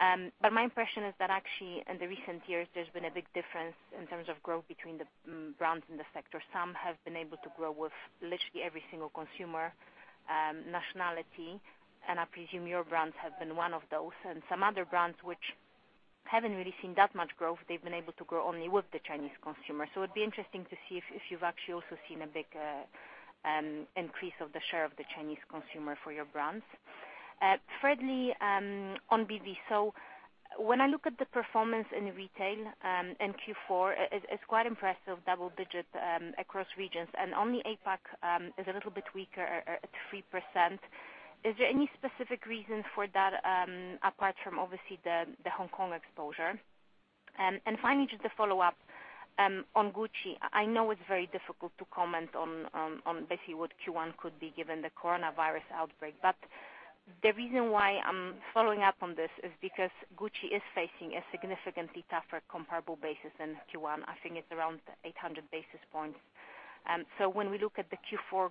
My impression is that actually in the recent years, there's been a big difference in terms of growth between the brands in the sector. Some have been able to grow with literally every single consumer nationality, and I presume your brands have been one of those. Some other brands which haven't really seen that much growth, they've been able to grow only with the Chinese consumer. It'd be interesting to see if you've actually also seen a big increase of the share of the Chinese consumer for your brands. Lastly, on BV. When I look at the performance in retail in Q4, it's quite impressive, double-digit across regions, only APAC is a little bit weaker at 3%. Is there any specific reason for that, apart from obviously the Hong Kong exposure? Finally, just to follow up on Gucci, I know it's very difficult to comment on basically what Q1 could be given the coronavirus outbreak. The reason why I'm following up on this is because Gucci is facing a significantly tougher comparable basis in Q1. I think it's around 800 basis points. So when we look at the Q4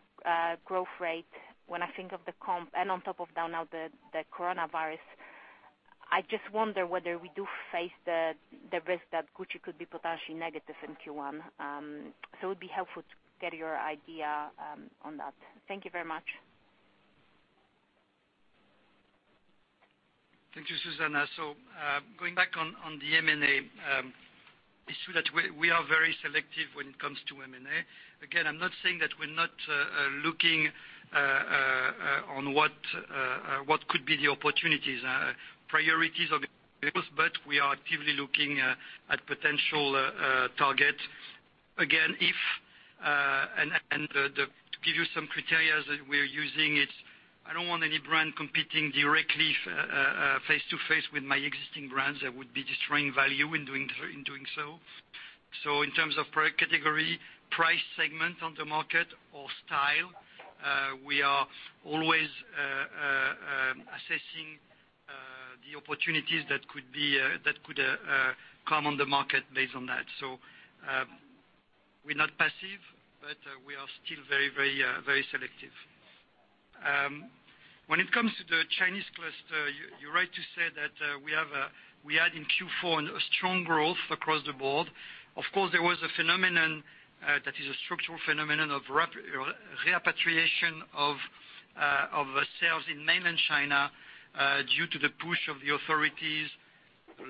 growth rate, when I think of the comp and on top of that now the coronavirus, I just wonder whether we do face the risk that Gucci could be potentially negative in Q1. So it would be helpful to get your idea on that. Thank you very much. Thank you, Zuzanna. Going back on the M&A issue that we are very selective when it comes to M&A. Again, I'm not saying that we're not looking on what could be the opportunities, priorities of the business, but we are actively looking at potential targets. Again, and the to give you some criteria's that we're using, it's I don't want any brand competing directly face to face with my existing brands. That would be destroying value in doing so. In terms of product category, price segment on the market or style, we are always assessing the opportunities that could come on the market based on that. We're not passive, but we are still very, very, very selective. When it comes to the Chinese cluster, you're right to say that we had in Q4 a strong growth across the board. Of course, there was a phenomenon that is a structural phenomenon of repatriation of sales in Mainland China due to the push of the authorities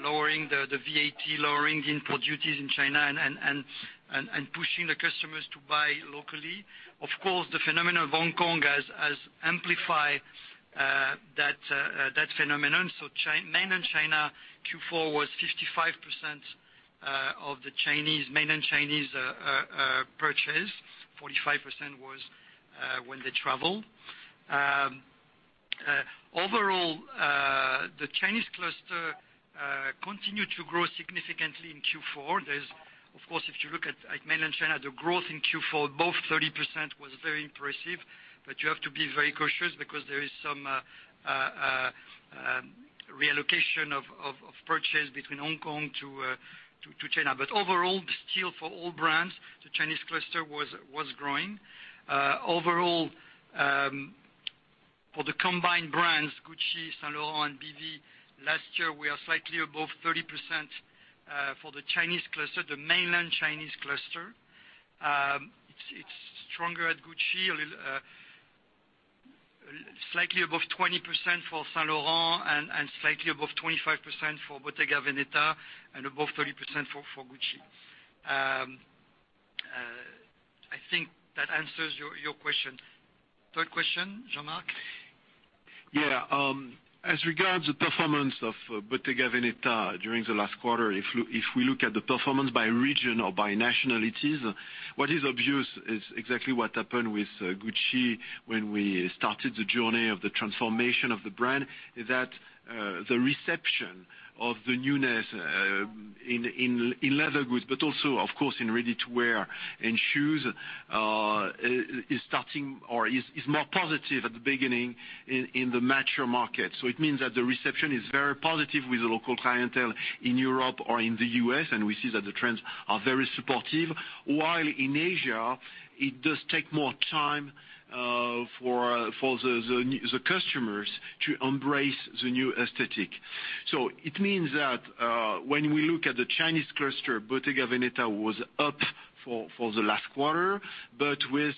lowering the VAT, lowering the import duties in China and pushing the customers to buy locally. Of course, the phenomenon of Hong Kong has amplified that phenomenon. Mainland China, Q4 was 55% of the Chinese, Mainland Chinese purchase. 45% was when they travel. Overall, the Chinese cluster continued to grow significantly in Q4. There's, of course, if you look at mainland China, the growth in Q4, both 30% was very impressive, you have to be very cautious because there is some reallocation of purchase between Hong Kong to China. Overall, still for all brands, the Chinese cluster was growing. Overall, for the combined brands, Gucci, Saint Laurent, BV, last year, we are slightly above 30% for the Chinese cluster, the mainland Chinese cluster. It's stronger at Gucci, a little slightly above 20% for Saint Laurent and slightly above 25% for Bottega Veneta and above 30% for Gucci. I think that answers your question. Third question, Jean-Marc? Yeah. As regards the performance of Bottega Veneta during the last quarter, if we look at the performance by region or by nationalities, what is obvious is exactly what happened with Gucci when we started the journey of the transformation of the brand, is that the reception of the newness in, in leather goods, but also of course, in ready-to-wear and shoes, is starting or is more positive at the beginning in the mature market. It means that the reception is very positive with the local clientele in Europe or in the U.S., and we see that the trends are very supportive. While in Asia, it does take more time for the, the customers to embrace the new aesthetic. It means that, when we look at the Chinese cluster, Bottega Veneta was up for the last quarter, but with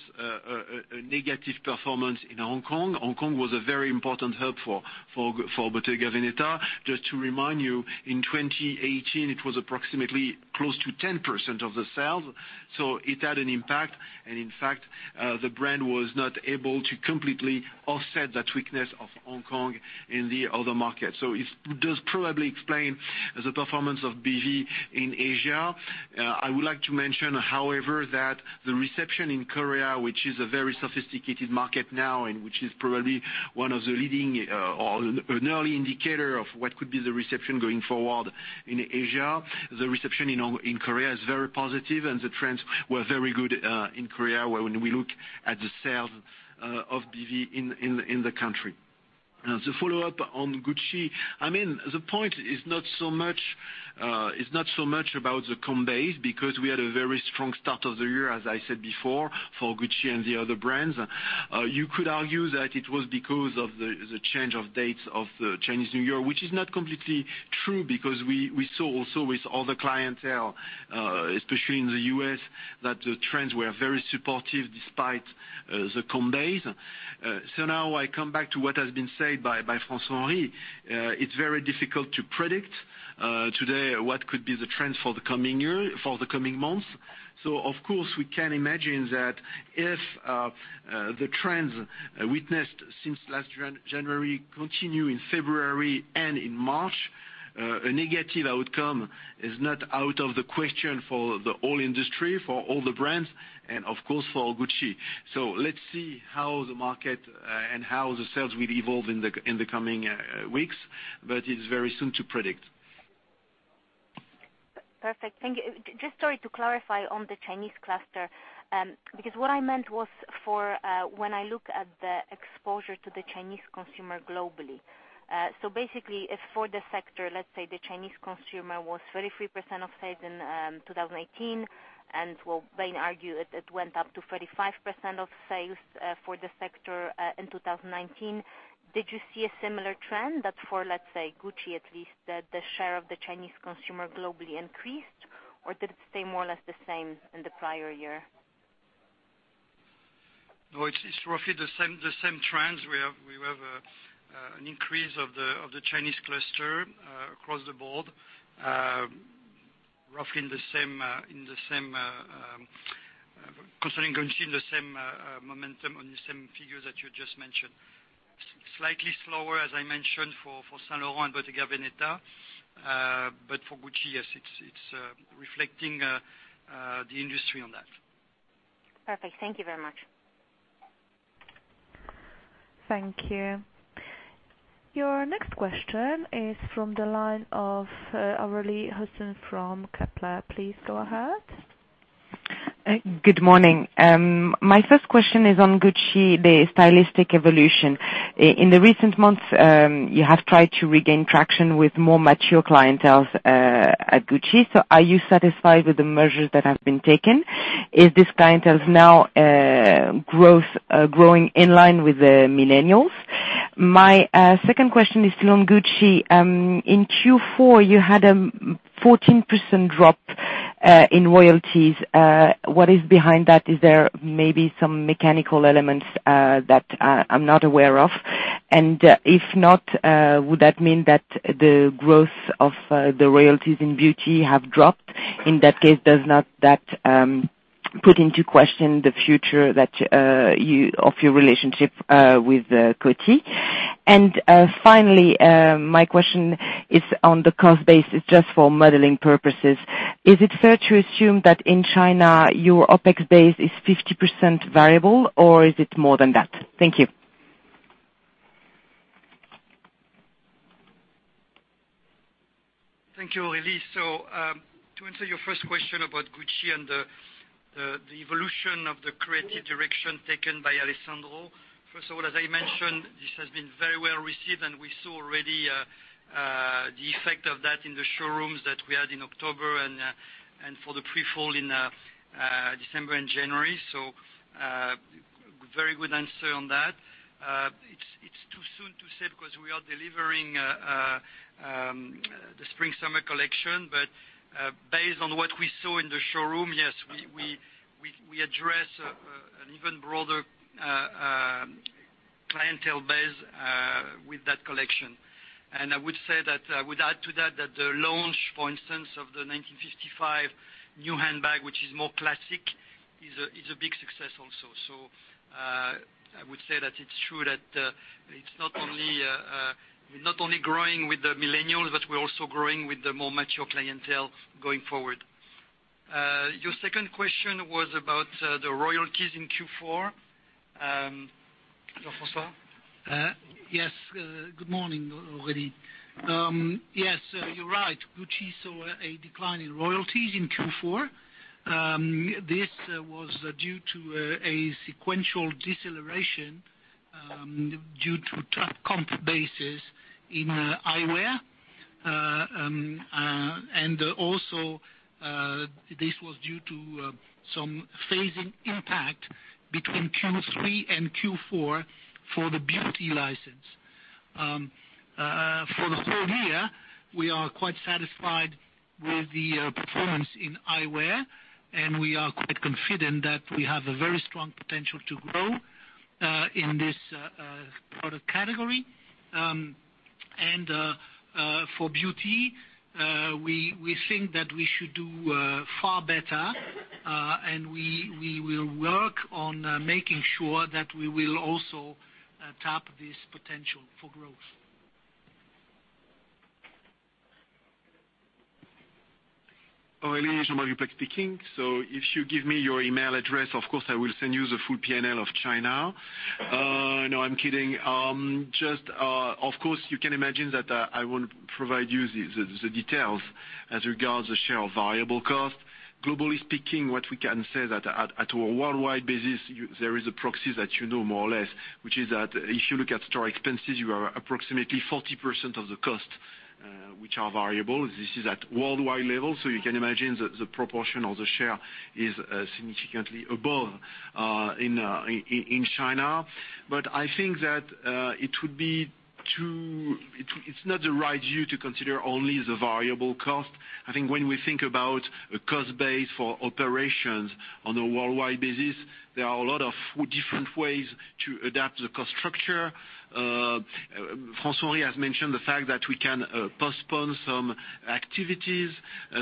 a negative performance in Hong Kong. Hong Kong was a very important hub for Bottega Veneta. Just to remind you, in 2018, it was approximately close to 10% of the sales, so it had an impact. In fact, the brand was not able to completely offset that weakness of Hong Kong in the other markets. It does probably explain the performance of BV in Asia. I would like to mention, however, that the reception in Korea, which is a very sophisticated market now, and which is probably one of the leading, or an early indicator of what could be the reception going forward in Asia, the reception in Korea is very positive, and the trends were very good in Korea, when we look at the sales of BV in the country. The follow-up on Gucci, I mean, the point is not so much, is not so much about the comp base, because we had a very strong start of the year, as I said before, for Gucci and the other brands. You could argue that it was because of the change of dates of the Chinese New Year, which is not completely true because we saw also with all the clientele, especially in the U.S., that the trends were very supportive despite the comp days. Now I come back to what has been said by François-Henri. It's very difficult to predict today what could be the trends for the coming year, for the coming months. Of course, we can imagine that if the trends witnessed since last January continue in February and in March. A negative outcome is not out of the question for the whole industry, for all the brands and of course for Gucci. Let's see how the market and how the sales will evolve in the coming weeks, but it's very soon to predict. Perfect. Thank you. Just sorry to clarify on the Chinese cluster, because what I meant was for, when I look at the exposure to the Chinese consumer globally, so basically if for the sector, let's say, the Chinese consumer was 33% of sales in 2018, and well, Bain argue it went up to 35% of sales for the sector in 2019. Did you see a similar trend that for, let's say, Gucci at least, that the share of the Chinese consumer globally increased or did it stay more or less the same in the prior year? No, it's roughly the same trends. We have an increase of the Chinese cluster across the board, roughly in the same, concerning Gucci, the same momentum on the same figures that you just mentioned. Slightly slower, as I mentioned, for Saint Laurent, Bottega Veneta, but for Gucci, yes, it's reflecting the industry on that. Perfect. Thank you very much. Thank you. Your next question is from the line of Aurélie Husson from Kepler. Please go ahead. Good morning. My first question is on Gucci, the stylistic evolution. In the recent months, you have tried to regain traction with more mature clienteles at Gucci. Are you satisfied with the measures that have been taken? Is this clientele now growing in line with the millennials? My second question is still on Gucci. In Q4, you had a 14% drop in royalties. What is behind that? Is there maybe some mechanical elements that I'm not aware of? If not, would that mean that the growth of the royalties in beauty have dropped? In that case, does not that put into question the future of your relationship with Gucci? Finally, my question is on the cost base is just for modeling purposes. Is it fair to assume that in China, your OpEx base is 50% variable or is it more than that? Thank you. Thank you, Aurélie. To answer your first question about Gucci and the evolution of the creative direction taken by Alessandro. First of all, as I mentioned, this has been very well received, and we saw already the effect of that in the showrooms that we had in October and for the pre-fall in December and January. Very good answer on that. It's too soon to say because we are delivering the spring/summer collection. Based on what we saw in the showroom, yes, we address an even broader clientele base with that collection. I would say that, I would add to that the launch, for instance, of the 1955 new handbag, which is more classic, is a big success also. I would say that it's true that it's not only we're not only growing with the millennials, but we're also growing with the more mature clientele going forward. Your second question was about the royalties in Q4. Jean-François? Yes. Good morning, Aurélie. Yes, you're right. Gucci saw a decline in royalties in Q4. This was due to a sequential deceleration due to comp basis in eyewear. Also, this was due to some phasing impact between Q3 and Q4 for the beauty license. For the whole year, we are quite satisfied with the performance in eyewear, and we are quite confident that we have a very strong potential to grow in this product category. For beauty, we think that we should do far better, and we will work on making sure that we will also tap this potential for growth. Aurélie, Jean-Marc Duplaix speaking. If you give me your email address, of course, I will send you the full P&L of China. No, I'm kidding. Just, of course, you can imagine that I won't provide you the details as regards the share of variable cost. Globally speaking, what we can say that at a worldwide basis, there is a proxy that you know more or less, which is that if you look at store expenses, you are approximately 40% of the cost, which are variable. This is at worldwide level. You can imagine that the proportion of the share is significantly above in China. I think that it's not the right view to consider only the variable cost. I think when we think about a cost base for operations on a worldwide basis, there are a lot of different ways to adapt the cost structure. François-Henri has mentioned the fact that we can postpone some activities,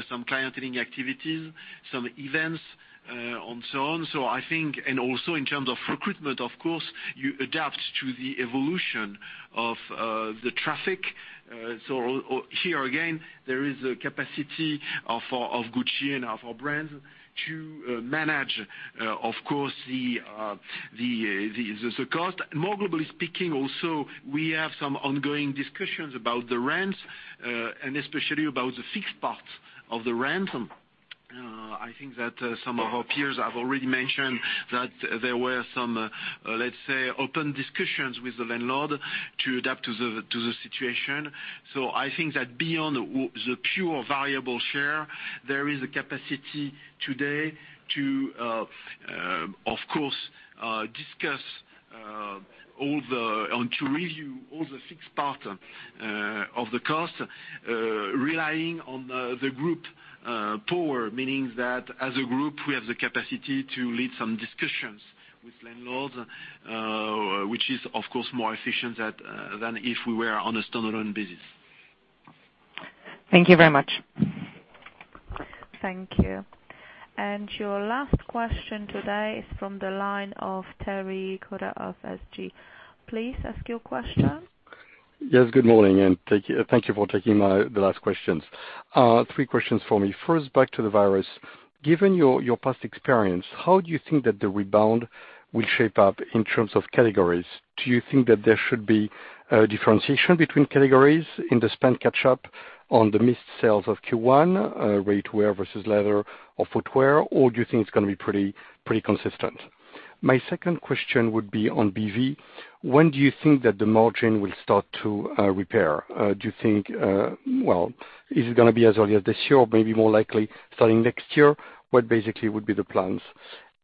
some clienteling activities, some events, and so on. I think, and also in terms of recruitment, of course, you adapt to the evolution of the traffic. Here again, there is a capacity of Gucci and of our brands to manage, of course, the cost. More globally speaking also, we have some ongoing discussions about the rents, and especially about the fixed parts of the rent. I think that some of our peers have already mentioned that there were some, let's say, open discussions with the landlord to adapt to the situation. I think that beyond the pure variable share, there is a capacity today to, of course, discuss on to review all the fixed part of the cost relying on the group power, meaning that as a group, we have the capacity to lead some discussions with landlords, which is of course more efficient at than if we were on a standalone basis. Thank you very much. Thank you. Your last question today is from the line of Thierry Cota of SG. Please ask your question. Yes, good morning, thank you for taking the last questions. Three questions for me. First, back to the virus. Given your past experience, how do you think that the rebound will shape up in terms of categories? Do you think that there should be a differentiation between categories in the spend catch up on the missed sales of Q1, ready-to-wear versus leather or footwear, or do you think it's going to be pretty consistent? My second question would be on BV. When do you think that the margin will start to repair? Do you think, well, is it going to be as early as this year, or maybe more likely starting next year? What basically would be the plans?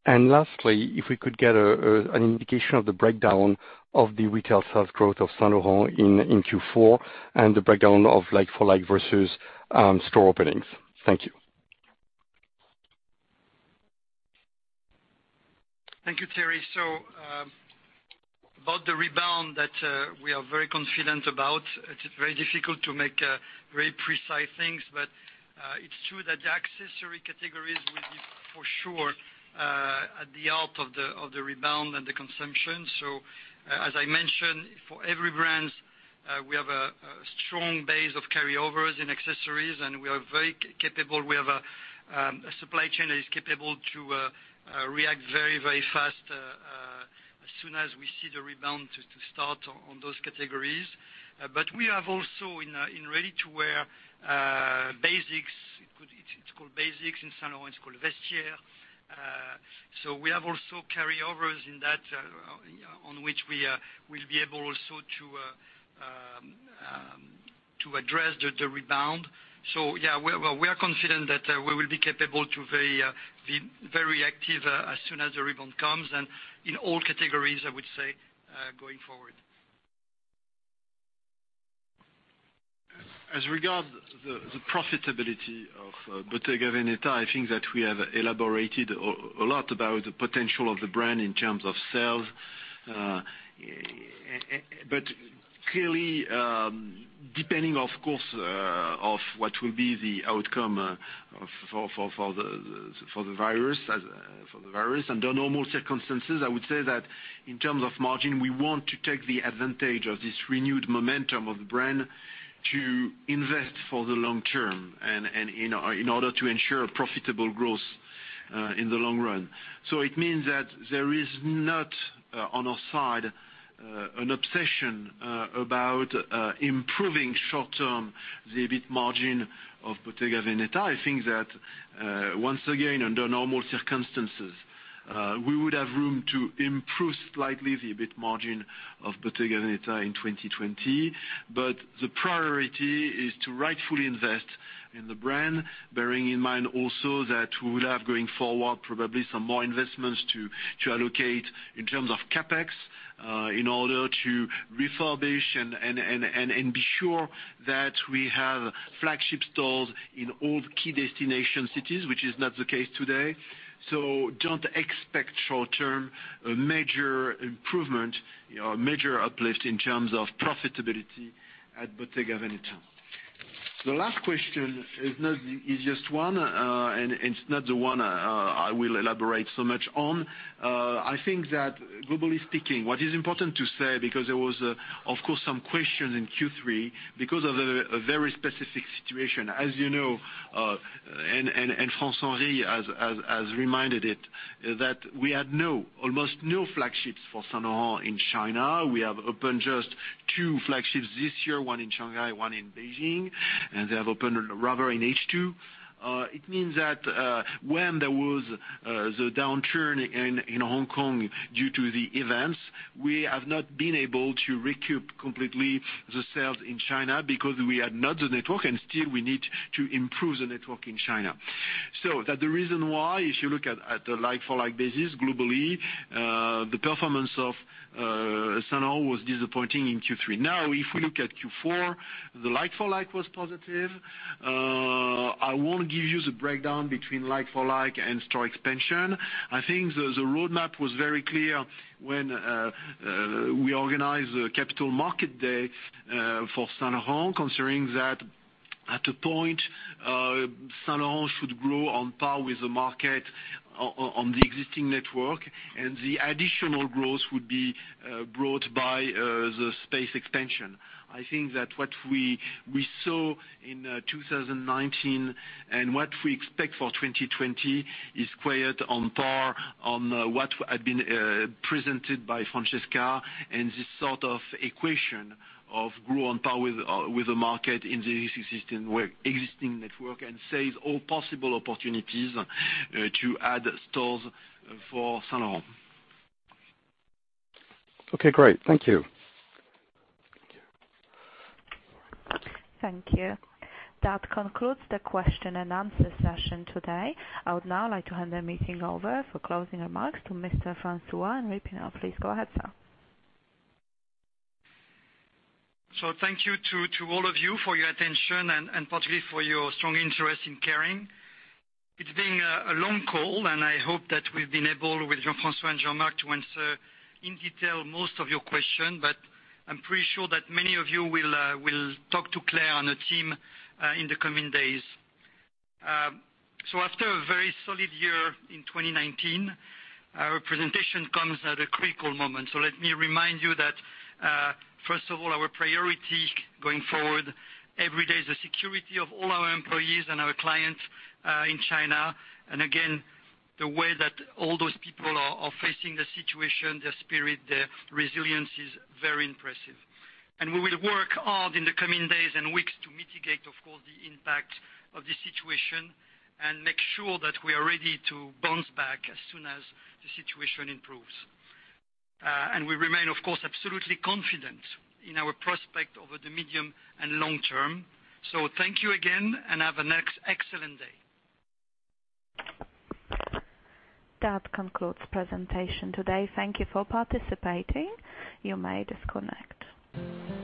Lastly, if we could get an indication of the breakdown of the retail sales growth of Saint Laurent in Q4 and the breakdown of like for like versus store openings. Thank you. Thank you, Thierry. About the rebound that we are very confident about, it's very difficult to make very precise things, but it's true that the accessory categories will be for sure at the heart of the rebound and the consumption. As I mentioned, for every brands, we have a strong base of carryovers in accessories, and we are very capable. We have a supply chain that is capable to react very, very fast as soon as we see the rebound to start on those categories. We have also in ready-to-wear basics. It's called basics in Saint Laurent. It's called Vestiaire. We have also carryovers in that on which we will be able also to address the rebound. Yeah, we are confident that we will be capable to be very active as soon as the rebound comes and in all categories, I would say, going forward. As regard the profitability of Bottega Veneta, I think that we have elaborated a lot about the potential of the brand in terms of sales. Clearly, depending of course, of what will be the outcome for the virus, as for the virus. Under normal circumstances, I would say that in terms of margin, we want to take the advantage of this renewed momentum of the brand to invest for the long term and in order to ensure profitable growth in the long run. It means that there is not on our side, an obsession about improving short term, the EBIT margin of Bottega Veneta. I think that, once again, under normal circumstances, we would have room to improve slightly the EBIT margin of Bottega Veneta in 2020. The priority is to rightfully invest in the brand, bearing in mind also that we will have, going forward, probably some more investments to allocate in terms of CapEx, in order to refurbish and be sure that we have flagship stores in all the key destination cities, which is not the case today. Don't expect short term, major improvement, major uplift in terms of profitability at Bottega Veneta. The last question is not the easiest one, and it's not the one I will elaborate so much on. I think that globally speaking, what is important to say, because there was of course some questions in Q3, because of a very specific situation. As you know, and François-Henri has reminded it, that we had no, almost no flagships for Saint Laurent in China. We have opened just two flagships this year, one in Shanghai, one in Beijing, and they have opened rather in H2. It means that when there was the downturn in Hong Kong due to the events, we have not been able to recoup completely the sales in China because we had not the network, and still we need to improve the network in China. The reason why, if you look at the like for like basis globally, the performance of Saint Laurent was disappointing in Q3. Now, if we look at Q4, the like for like was positive. I won't give you the breakdown between like for like and store expansion. I think the roadmap was very clear when we organized the Capital Market Day for Saint Laurent, considering that at a point Saint Laurent should grow on par with the market on the existing network, and the additional growth would be brought by the space expansion. I think that what we saw in 2019 and what we expect for 2020 is quite on par on what had been presented by Francesca, and this sort of equation of grow on par with the market in the existing network and seize all possible opportunities to add stores for Saint Laurent. Okay, great. Thank you. Thank you. Thank you. That concludes the question-and-answer session today. I would now like to hand the meeting over for closing remarks to Mr. François-Henri Pinault. Please go ahead, sir. Thank you to all of you for your attention and particularly for your strong interest in Kering. It's been a long call, and I hope that we've been able, with Jean-François and Jean-Marc, to answer in detail most of your question, but I'm pretty sure that many of you will talk to Claire and the team in the coming days. After a very solid year in 2019, our presentation comes at a critical moment. Let me remind you that, first of all, our priority going forward every day is the security of all our employees and our clients in China. Again, the way that all those people are facing the situation, their spirit, their resilience is very impressive. We will work hard in the coming days and weeks to mitigate, of course, the impact of the situation and make sure that we are ready to bounce back as soon as the situation improves. We remain, of course, absolutely confident in our prospect over the medium and long term. Thank you again, and have an excellent day. That concludes presentation today. Thank you for participating. You may disconnect.